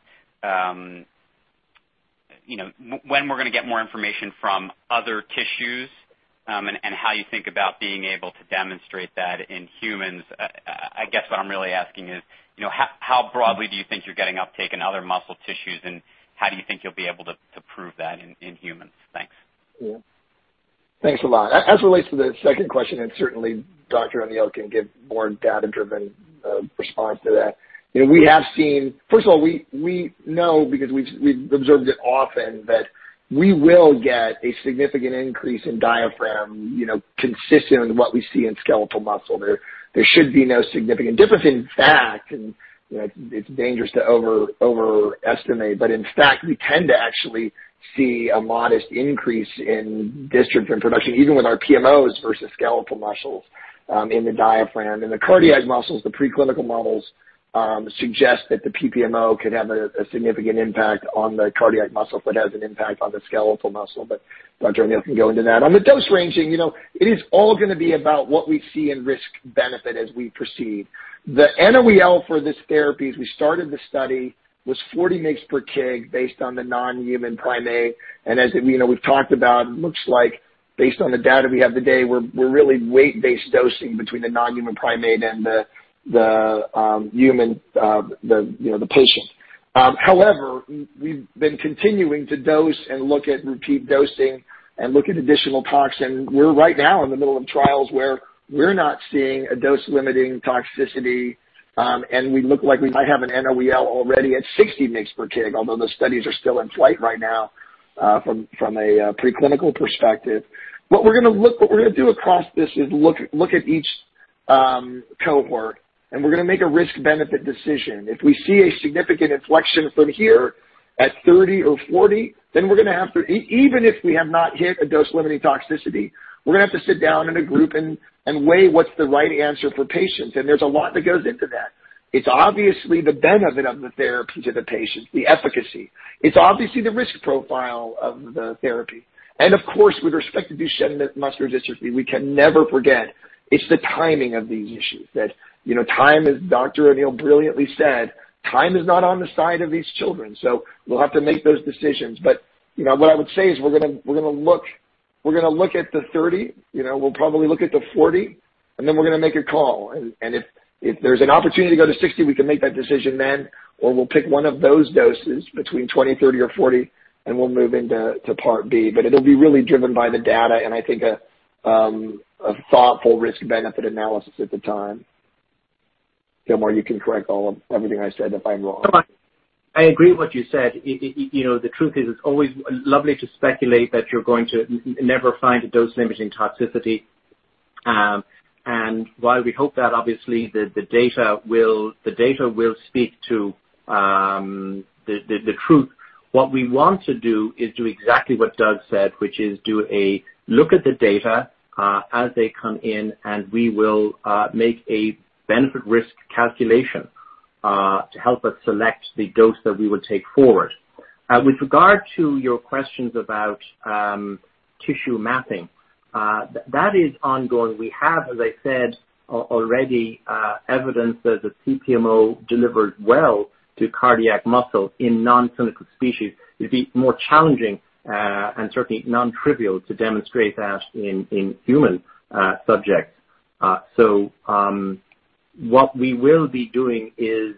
K: when we're going to get more information from other tissues, and how you think about being able to demonstrate that in humans. I guess what I'm really asking is how broadly do you think you're getting uptake in other muscle tissues, and how do you think you'll be able to prove that in humans? Thanks.
B: Yeah. Thanks a lot. As it relates to the second question, certainly Dr. O'Neill can give more data-driven response to that. First of all, we know because we've observed it often, that we will get a significant increase in diaphragm consistent with what we see in skeletal muscle. There should be no significant difference. In fact, it's dangerous to overestimate, in fact, we tend to actually see a modest increase in dystrophin production, even with our PMOs versus skeletal muscles in the diaphragm. In the cardiac muscles, the preclinical models suggest that the PPMO could have a significant impact on the cardiac muscle if it has an impact on the skeletal muscle. Dr. O'Neill can go into that. On the dose ranging, it is all going to be about what we see in risk benefit as we proceed. The NOAEL for this therapy, as we started the study, was 40 mg/kg based on the non-human primate. As we've talked about, it looks like based on the data we have today, we're really weight-based dosing between the non-human primate and the patient. However, we've been continuing to dose and look at repeat dosing and look at additional tox, and we're right now in the middle of trials where we're not seeing a dose-limiting toxicity, and we look like we might have an NOAEL already at 60 mg/kg, although the studies are still in flight right now from a preclinical perspective. What we're going to do across this is look at each cohort, and we're going to make a risk-benefit decision. If we see a significant inflection from here at 30 or 40, then even if we have not hit a dose-limiting toxicity, we're going to have to sit down in a group and weigh what's the right answer for patients. There's a lot that goes into that. It's obviously the benefit of the therapy to the patient, the efficacy. It's obviously the risk profile of the therapy. Of course, with respect to Duchenne muscular dystrophy, we can never forget, it's the timing of these issues that, as Dr. O'Neill brilliantly said, time is not on the side of these children. We'll have to make those decisions. What I would say is we're going to look at the 30, we'll probably look at the 40, and then we're going to make a call. If there's an opportunity to go to 60, we can make that decision then, or we'll pick one of those doses between 20, 30, or 40, and we'll move into part B. It'll be really driven by the data and I think a thoughtful risk benefit analysis at the time. Gil, you can correct everything I said if I'm wrong.
C: No, I agree what you said. The truth is, it's always lovely to speculate that you're going to never find a dose limiting toxicity. While we hope that obviously the data will speak to the truth, what we want to do is do exactly what Doug said, which is look at the data as they come in and we will make a benefit risk calculation, to help us select the dose that we will take forward. With regard to your questions about tissue mapping, that is ongoing. We have, as I said already, evidence that the PPMO delivers well to cardiac muscle in non-clinical species. It'd be more challenging, and certainly non-trivial to demonstrate that in human subjects. What we will be doing is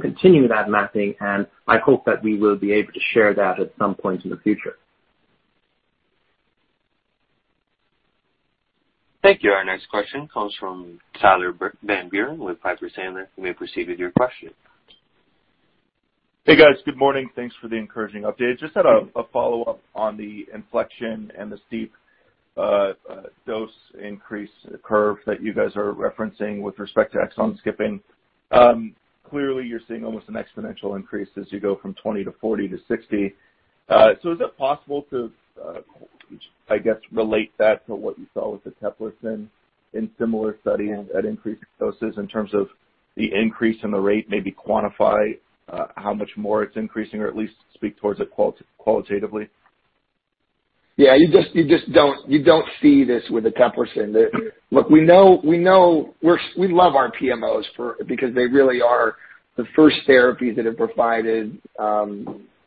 C: continue that mapping, and I hope that we will be able to share that at some point in the future.
A: Thank you. Our next question comes from Tyler Van Buren with Piper Sandler. You may proceed with your question.
L: Hey, guys. Good morning. Thanks for the encouraging update. Just had a follow-up on the inflection and the steep dose increase curve that you guys are referencing with respect to exon skipping. Clearly you're seeing almost an exponential increase as you go from 20 to 40 to 60. Is it possible to, I guess, relate that to what you saw with the eteplirsen in similar studies at increased doses in terms of the increase in the rate, maybe quantify how much more it's increasing or at least speak towards it qualitatively?
B: Yeah, you don't see this with the eteplirsen. Look, we love our PMOs because they really are the first therapies that have provided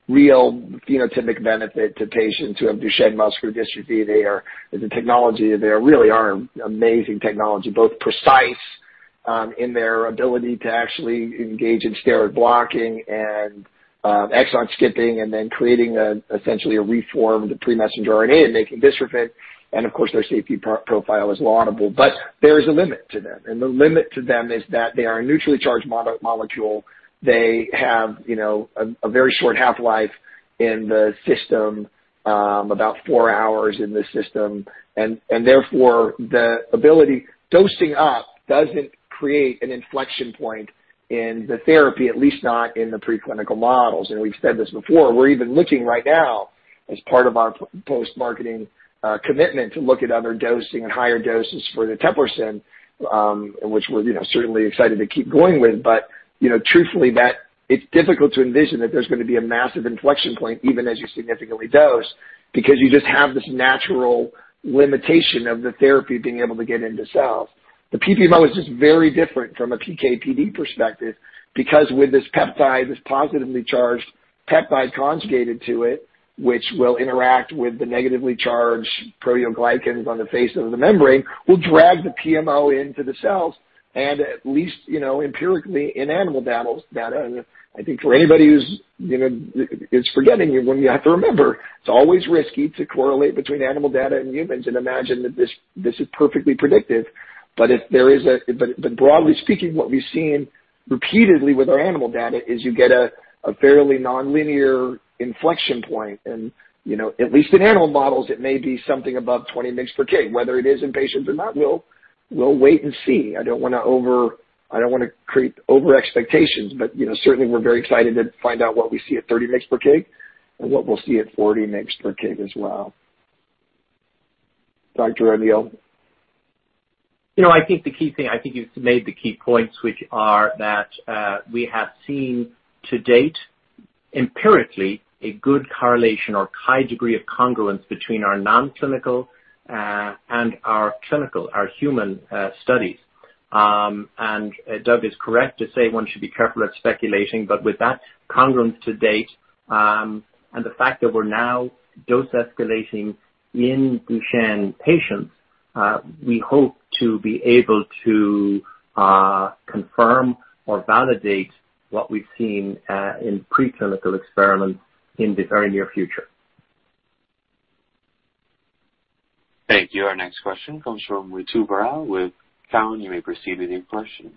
B: real phenotypic benefit to patients who have Duchenne muscular dystrophy. They really are amazing technology, both precise in their ability to actually engage in steric blocking and exon skipping, and then creating essentially a reformed pre-messenger RNA and making dystrophin. Of course, their safety profile is laudable, but there is a limit to them. The limit to them is that they are a neutrally charged molecule. They have a very short half-life in the system, about four hours in the system. Therefore, the ability dosing up doesn't create an inflection point in the therapy, at least not in the preclinical models. We've said this before, we're even looking right now as part of our post-marketing commitment to look at other dosing and higher doses for the eteplirsen, which we're certainly excited to keep going with. Truthfully, it's difficult to envision that there's going to be a massive inflection point, even as you significantly dose, because you just have this natural limitation of the therapy being able to get into cells. The PPMO is just very different from a PK/PD perspective because with this peptide, this positively charged peptide conjugated to it, which will interact with the negatively charged proteoglycans on the face of the membrane, will drag the PMO into the cells and at least empirically in animal data. I think for anybody who's forgetting, you have to remember, it's always risky to correlate between animal data and humans and imagine that this is perfectly predictive. Broadly speaking, what we've seen repeatedly with our animal data is you get a fairly nonlinear inflection point. At least in animal models, it may be something above 20 mgs per kg. Whether it is in patients or not, we'll wait and see. I don't want to create over expectations, but certainly we're very excited to find out what we see at 30 mgs per kg and what we'll see at 40 mgs per kg as well. Dr. O'Neill.
C: I think you've made the key points, which are that we have seen to date empirically a good correlation or high degree of congruence between our non-clinical and our clinical, our human studies. Doug is correct to say one should be careful at speculating, but with that congruence to date, and the fact that we're now dose escalating in Duchenne patients, we hope to be able to confirm or validate what we've seen in preclinical experiments in the very near future.
A: Thank you. Our next question comes from Ritu Baral with Cowen. You may proceed with your question.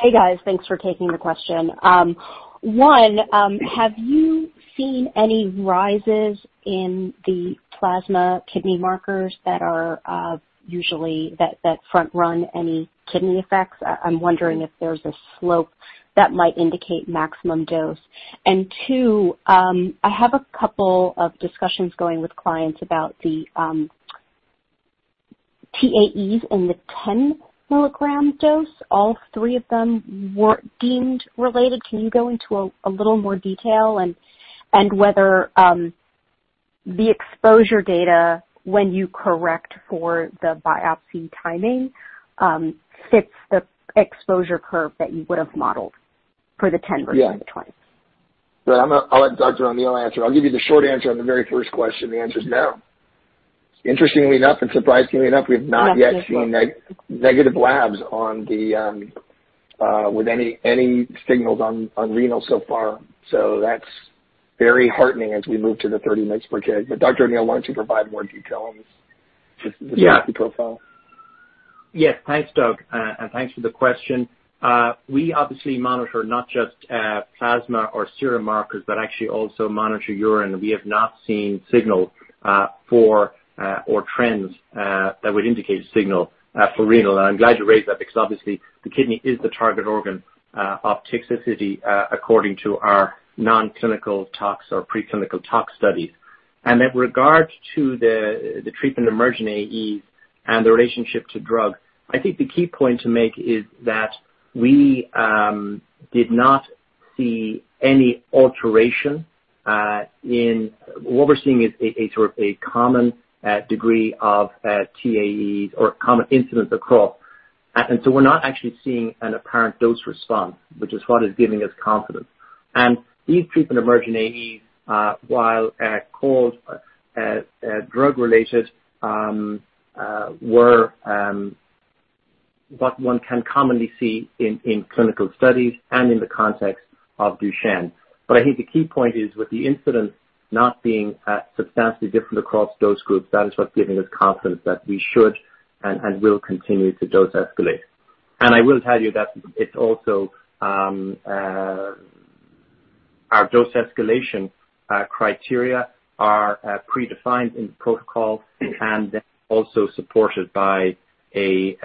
M: Hey, guys. Thanks for taking the question. One, have you seen any rises in the plasma kidney markers that front run any kidney effects? I'm wondering if there's a slope that might indicate maximum dose. Two, I have a couple of discussions going with clients about the TEAEs in the 10-milligram dose. All three of them were deemed related. Can you go into a little more detail and whether the exposure data when you correct for the biopsy timing, fits the exposure curve that you would have modeled for the 10 versus the 20?
B: Yeah. I'll let Dr. O'Neill answer. I'll give you the short answer on the very first question. The answer is no. Interestingly enough, and surprisingly enough, we've not yet seen negative labs with any signals on renal so far. That's very heartening as we move to the 30 mgs per kg. Dr. O'Neill, why don't you provide more detail on this?
C: Yeah.
B: The safety profile.
C: Yes. Thanks, Doug, thanks for the question. We obviously monitor not just plasma or serum markers, but actually also monitor urine. We have not seen signal for or trends that would indicate a signal for renal. I'm glad you raised that because obviously the kidney is the target organ of toxicity according to our non-clinical tox or preclinical tox studies. In regard to the treatment-emergent AEs and the relationship to drug, I think the key point to make is that what we're seeing is sort of a common degree of TEAEs or common incidents across. We're not actually seeing an apparent dose response, which is what is giving us confidence. These treatment-emergent AEs, while called drug-related, were what one can commonly see in clinical studies and in the context of Duchenne. I think the key point is with the incident not being substantially different across dose groups, that is what's giving us confidence that we should and will continue to dose escalate. I will tell you that it's also our dose escalation criteria are predefined in protocol and also supported by a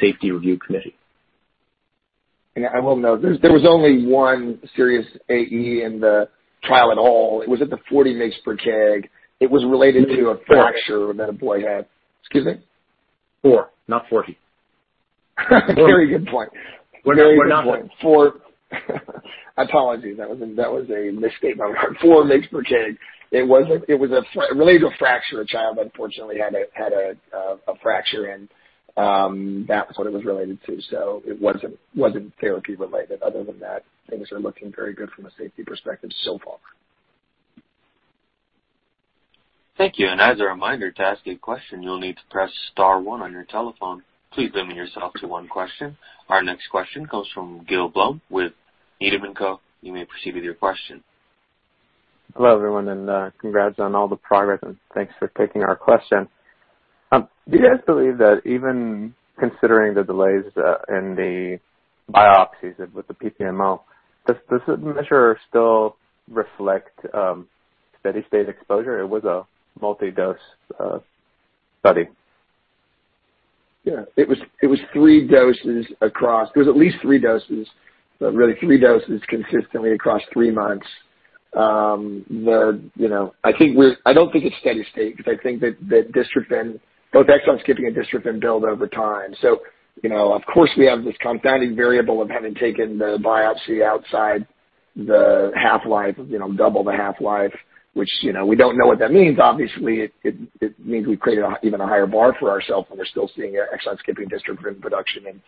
C: safety review committee.
B: I will note, there was only one serious AE in the trial at all. It was at the 40 mgs per kg. It was related to a fracture that a boy had. Excuse me?
C: Four, not 40.
B: Very good point.
C: We're not-
B: 4 mgs per kg. Apologies, that was a misstatement on our part. 4 mgs per kg. It was related to a fracture. A child unfortunately had a fracture and that was what it was related to. It wasn't therapy related. Other than that, things are looking very good from a safety perspective so far.
A: Thank you. As a reminder, to ask a question, you'll need to press star one on your telephone. Please limit yourself to one question. Our next question comes from Gil Blum with Needham & Company. You may proceed with your question.
N: Hello, everyone. Congrats on all the progress and thanks for taking our question. Do you guys believe that even considering the delays in the biopsies with the PPMO, does this measure still reflect steady state exposure? It was a multi-dose study.
B: Yeah, it was three doses across. It was at least three doses, but really three doses consistently across three months. I don't think it's steady state because I think that both exon skipping and dystrophin build over time. Of course, we have this confounding variable of having taken the biopsy outside the half-life, double the half-life, which we don't know what that means. Obviously, it means we've created even a higher bar for ourself, and we're still seeing exon skipping, dystrophin production, and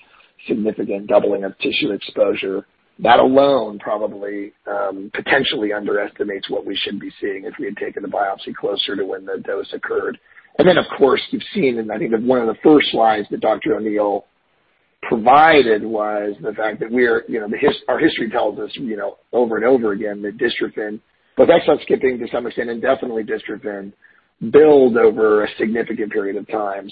B: significant doubling of tissue exposure. That alone probably potentially underestimates what we should be seeing if we had taken the biopsy closer to when the dose occurred. Of course, we've seen, and I think that one of the first slides that Dr. O'Neill provided was the fact that our history tells us over and over again that dystrophin, both exon skipping to some extent, and definitely dystrophin build over a significant period of time.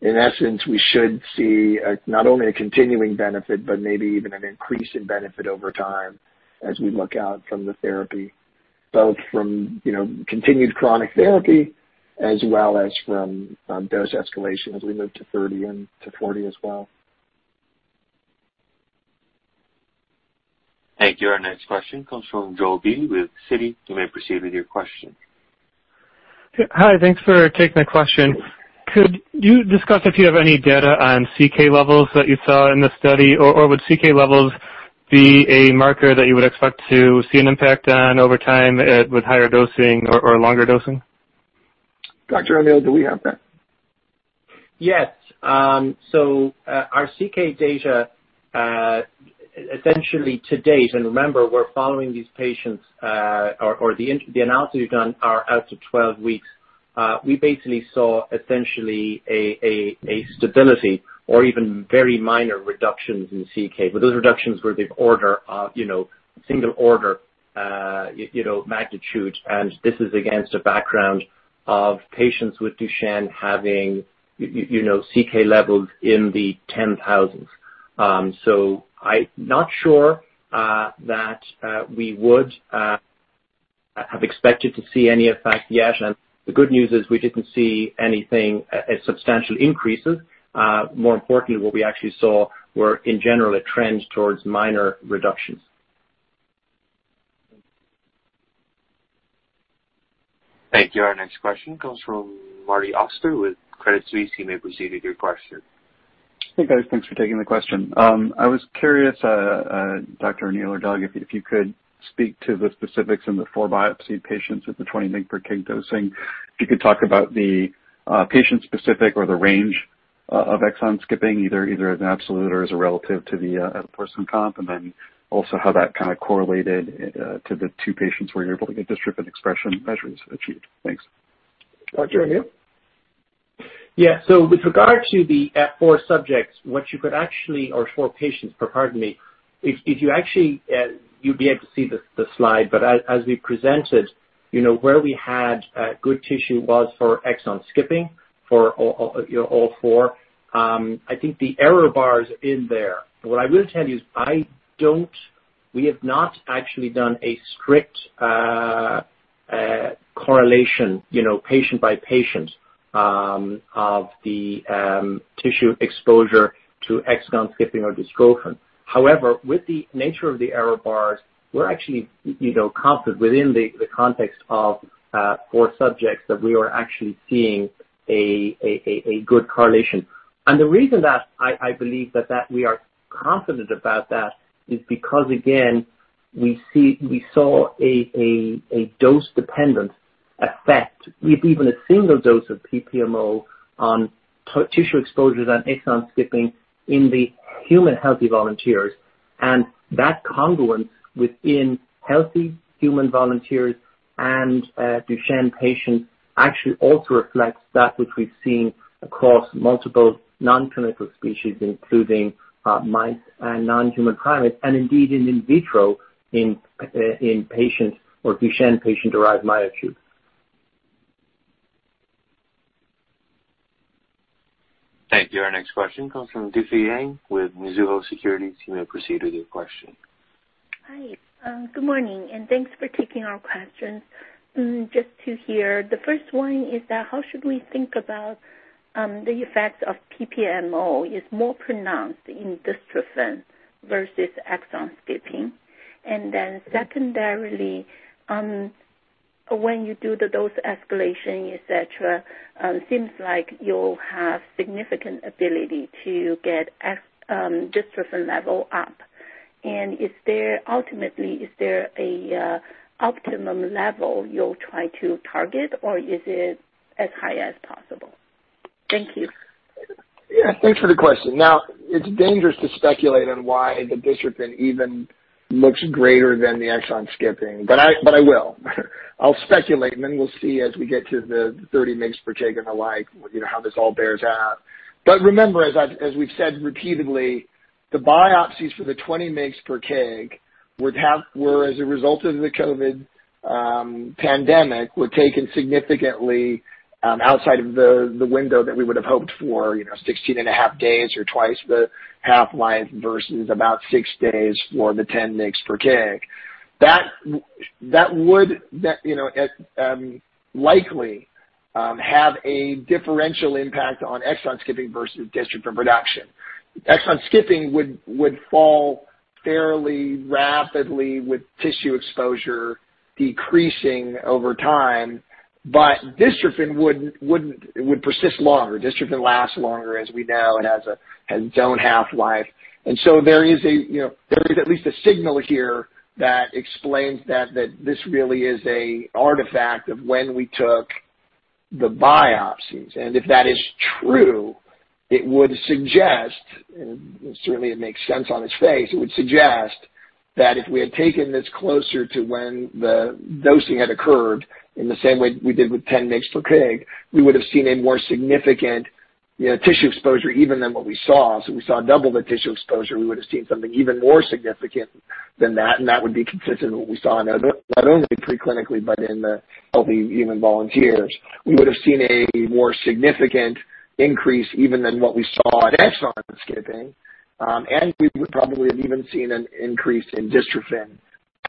B: In essence, we should see not only a continuing benefit, but maybe even an increase in benefit over time as we look out from the therapy, both from continued chronic therapy as well as from dose escalation as we move to 30 and to 40 as well.
A: Thank you. Our next question comes from Joel Beatty with Citi. You may proceed with your question.
O: Hi. Thanks for taking the question. Could you discuss if you have any data on CK levels that you saw in the study? Would CK levels be a marker that you would expect to see an impact on over time with higher dosing or longer dosing?
B: Dr. O'Neill, do we have that?
C: Yes. Our CK data essentially to date, and remember, we're following these patients or the analyses done are out to 12 weeks. We basically saw essentially a stability or even very minor reductions in CK, but those reductions were of single order magnitude. This is against a background of patients with Duchenne having CK levels in the ten thousands. I'm not sure that we would have expected to see any effect yet. The good news is we didn't see anything as substantial increases. More importantly, what we actually saw were, in general, a trend towards minor reductions.
A: Thank you. Our next question comes from Marty Auster with Credit Suisse. You may proceed with your question.
P: Hey, guys. Thanks for taking the question. I was curious Dr. O'Neill or Doug, if you could speak to the specifics in the four biopsied patients at the 20 mg per kg dosing. If you could talk about the patient specific or the range of exon skipping, either as an absolute or as a relative to the percent comp. Then also how that kind of correlated to the two patients where you're able to get dystrophin expression measures achieved. Thanks.
B: Dr. O'Neill?
C: Yeah. With regard to the four subjects, or four patients, pardon me. If you actually, you'd be able to see the slide, but as we presented, where we had good tissue was for exon skipping for all four. I think the error bar is in there. What I will tell you is we have not actually done a strict correlation, patient by patient, of the tissue exposure to exon skipping or dystrophin. With the nature of the error bars, we're actually confident within the context of four subjects that we are actually seeing a good correlation. The reason that I believe that we are confident about that is because, again, we saw a dose-dependent effect with even a single dose of PPMO on tissue exposures on exon skipping in the human healthy volunteers, and that congruence within healthy human volunteers and Duchenne patients actually also reflects that which we've seen across multiple non-clinical species, including mice and non-human primates, and indeed in vitro in patient or Duchenne patient-derived myotubes.
A: Thank you. Our next question comes from Difei Yang with Mizuho Securities. You may proceed with your question.
Q: Hi. Good morning, and thanks for taking our questions. Just two here. The first one is that how should we think about the effects of PPMO is more pronounced in dystrophin versus exon skipping? Then secondarily, when you do the dose escalation, et cetera, seems like you'll have significant ability to get dystrophin level up. Ultimately, is there an optimum level you'll try to target, or is it as high as possible? Thank you.
B: Yeah, thanks for the question. It's dangerous to speculate on why the dystrophin even looks greater than the exon skipping, but I will. I'll speculate, and then we'll see as we get to the 30 mg/kg and the like, how this all bears out. Remember, as we've said repeatedly, the biopsies for the 20 mg/kg, as a result of the COVID pandemic, were taken significantly outside of the window that we would've hoped for, 16 and a half days or twice the half-life versus about six days for the 10 mg/kg. That would likely have a differential impact on exon skipping versus dystrophin production. Exon skipping would fall fairly rapidly with tissue exposure decreasing over time, but dystrophin would persist longer. Dystrophin lasts longer, as we know. It has its own half-life. There is at least a signal here that explains that this really is a artifact of when we took the biopsies. If that is true, it would suggest, and certainly it makes sense on its face, it would suggest that if we had taken this closer to when the dosing had occurred in the same way we did with 10 mg/kg, we would've seen a more significant tissue exposure even than what we saw. We saw double the tissue exposure, we would've seen something even more significant than that, and that would be consistent with what we saw not only pre-clinically, but in the healthy human volunteers. We would probably have even seen an increase in dystrophin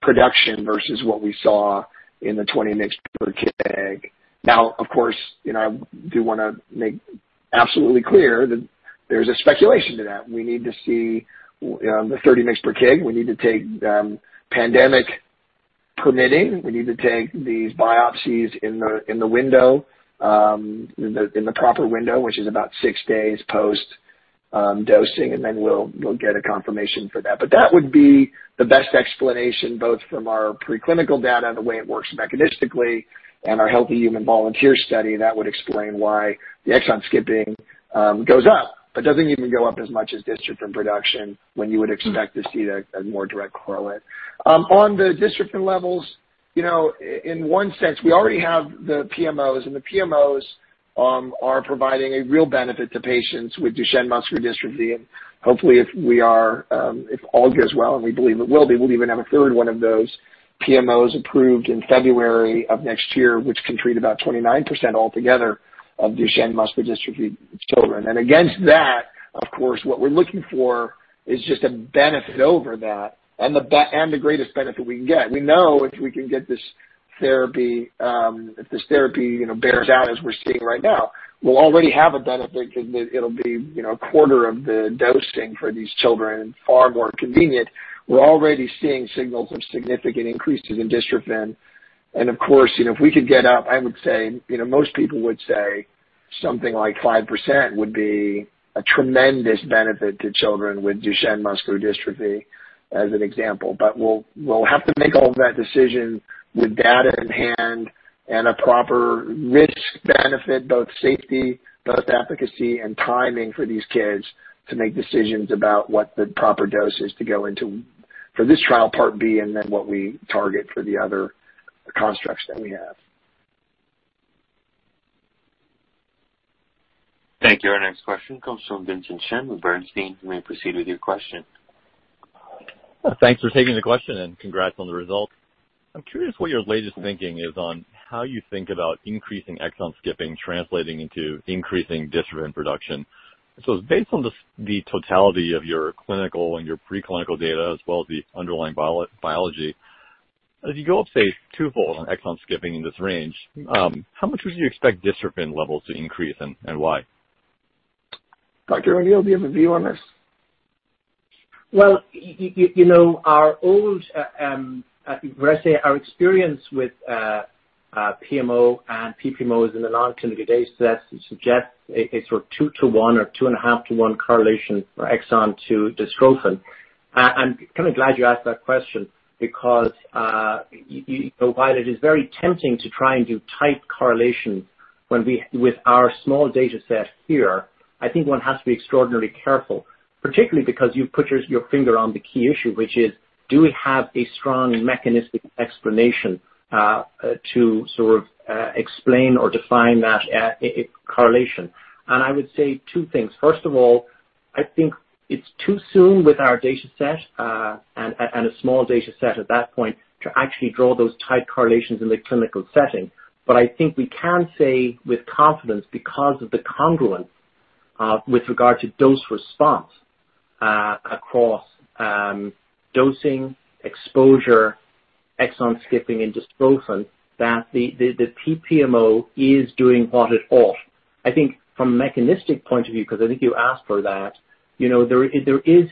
B: production versus what we saw in the 20 mg/kg. Of course, I do want to make absolutely clear that there's a speculation to that. We need to see the 30 mgs per kg. Pandemic permitting, we need to take these biopsies in the proper window, which is about six days post dosing, we'll get a confirmation for that. That would be the best explanation, both from our preclinical data and the way it works mechanistically and our healthy human volunteer study, that would explain why the exon skipping goes up but doesn't even go up as much as dystrophin production when you would expect to see that as more direct correlate. On the dystrophin levels, in one sense, we already have the PMOs, and the PMOs are providing a real benefit to patients with Duchenne muscular dystrophy, and hopefully if all goes well, and we believe it will, we will even have a third one of those PMOs approved in February of next year, which can treat about 29% altogether of Duchenne muscular dystrophy children. Against that, of course, what we're looking for is just a benefit over that and the greatest benefit we can get. We know if we can get this therapy, if this therapy bears out as we're seeing right now, we'll already have a benefit because it'll be a quarter of the dosing for these children and far more convenient. We're already seeing signals of significant increases in dystrophin. Of course, if we could get up, I would say, most people would say something like 5% would be a tremendous benefit to children with Duchenne muscular dystrophy, as an example. We'll have to make all of that decision with data in hand and a proper risk benefit, both safety, both efficacy, and timing for these kids to make decisions about what the proper dose is to go into for this trial, Part B, and then what we target for the other constructs that we have.
A: Thank you. Our next question comes from Vincent Chen with Bernstein. You may proceed with your question.
R: Thanks for taking the question and congrats on the results. I'm curious what your latest thinking is on how you think about increasing exon skipping translating into increasing dystrophin production. Based on the totality of your clinical and your pre-clinical data, as well as the underlying biology, if you go up, say, twofold on exon skipping in this range, how much would you expect dystrophin levels to increase and why?
B: Dr. O'Neill, do you have a view on this?
C: Well, our experience with PMO and PPMOs in the non-clinical data set suggests a sort of two to one or two and a half to one correlation for exon to dystrophin. I'm glad you asked that question because while it is very tempting to try and do tight correlation with our small data set here, I think one has to be extraordinarily careful, particularly because you put your finger on the key issue, which is, do we have a strong mechanistic explanation to sort of explain or define that correlation? I would say two things. First of all, I think it's too soon with our data set, and a small data set at that point, to actually draw those tight correlations in the clinical setting. I think we can say with confidence because of the congruence with regard to dose response across dosing, exposure, exon skipping, and dystrophin, that the PPMO is doing what it ought. I think from a mechanistic point of view, because I think you asked for that, there is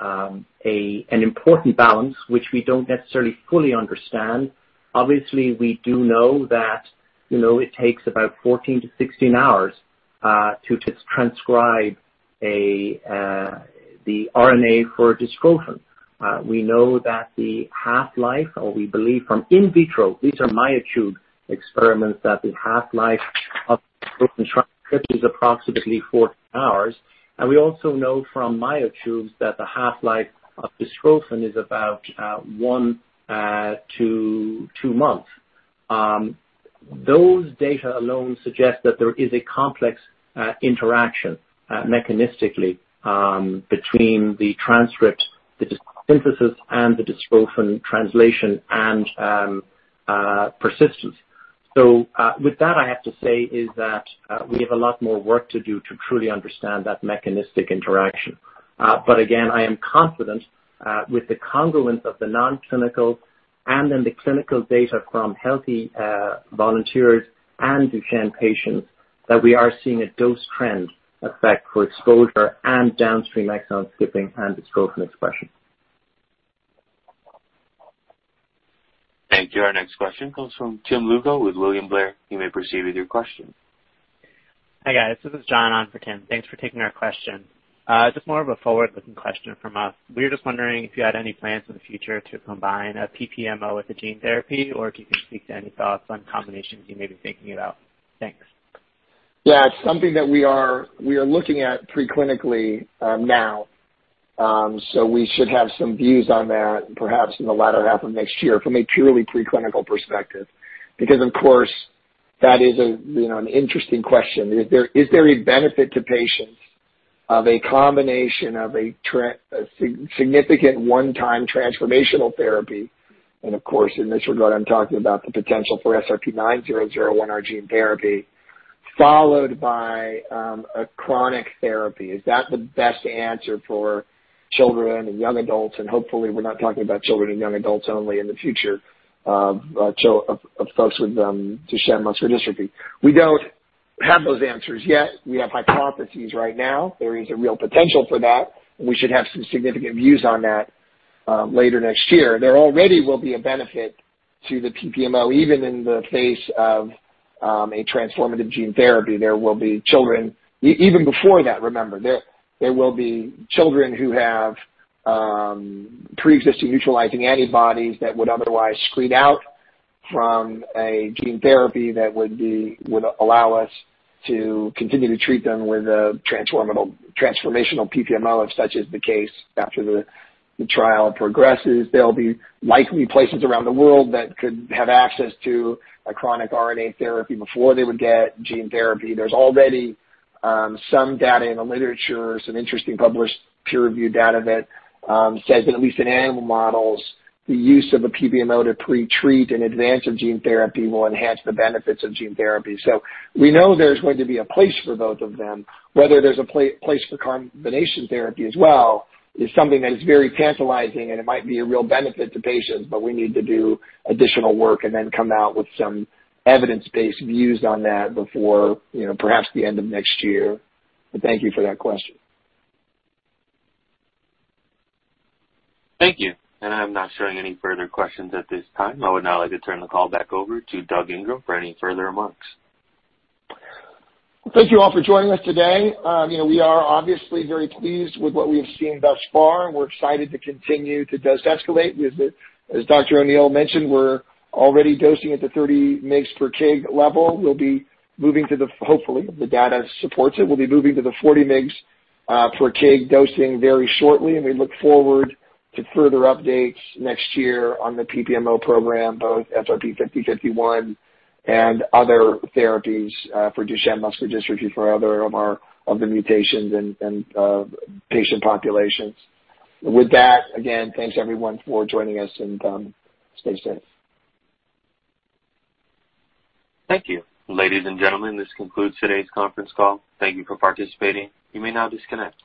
C: an important balance which we don't necessarily fully understand. Obviously, we do know that it takes about 14-16 hours to transcribe the RNA for dystrophin. We know that the half-life, or we believe from in vitro, these are myotube experiments, that the half-life of dystrophin transcript is approximately 14 hours. We also know from myotubes that the half-life of dystrophin is about one to two months. Those data alone suggest that there is a complex interaction, mechanistically, between the transcript, the synthesis, and the dystrophin translation and persistence. With that, I have to say is that we have a lot more work to do to truly understand that mechanistic interaction. Again, I am confident with the congruence of the non-clinical and in the clinical data from healthy volunteers and Duchenne patients, that we are seeing a dose trend effect for exposure and downstream exon skipping and dystrophin expression.
A: Thank you. Our next question comes from Tim Lugo with William Blair. You may proceed with your question.
S: Hi, guys. This is John on for Tim. Thanks for taking our question. Just more of a forward-looking question from us. We were just wondering if you had any plans in the future to combine a PPMO with a gene therapy, or if you could speak to any thoughts on combinations you may be thinking about. Thanks.
B: Yeah, it's something that we are looking at pre-clinically now. We should have some views on that perhaps in the latter half of next year from a purely pre-clinical perspective. Of course, that is an interesting question. Is there a benefit to patients of a combination of a significant one-time transformational therapy, and of course, in this regard, I'm talking about the potential for SRP-9001, our gene therapy, followed by a chronic therapy. Is that the best answer for children and young adults? Hopefully we're not talking about children and young adults only in the future of folks with Duchenne muscular dystrophy. We don't have those answers yet. We have hypotheses right now. There is a real potential for that, and we should have some significant views on that later next year. There already will be a benefit to the PPMO, even in the face of a transformative gene therapy. There will be children, even before that, remember, there will be children who have pre-existing neutralizing antibodies that would otherwise screen out from a gene therapy that would allow us to continue to treat them with a transformational PPMO, if such is the case after the trial progresses. There'll likely be places around the world that could have access to a chronic RNA therapy before they would get gene therapy. There's already some data in the literature, some interesting published peer-reviewed data that says that at least in animal models, the use of a PPMO to pre-treat in advance of gene therapy will enhance the benefits of gene therapy. We know there's going to be a place for both of them. Whether there's a place for combination therapy as well is something that is very tantalizing, and it might be a real benefit to patients, but we need to do additional work and then come out with some evidence-based views on that before perhaps the end of next year. Thank you for that question.
A: Thank you. I'm not showing any further questions at this time. I would now like to turn the call back over to Doug Ingram for any further remarks.
B: Thank you all for joining us today. We are obviously very pleased with what we have seen thus far, and we're excited to continue to dose escalate. As Dr. O'Neill mentioned, we're already dosing at the 30 mg per kg level. We'll be moving to the, hopefully, if the data supports it, we'll be moving to the 40 mg per kg dosing very shortly, and we look forward to further updates next year on the PPMO program, both SRP-5051 and other therapies for Duchenne muscular dystrophy for other of the mutations and patient populations. With that, again, thanks everyone for joining us, and stay safe.
A: Thank you. Ladies and gentlemen, this concludes today's conference call. Thank you for participating. You may now disconnect.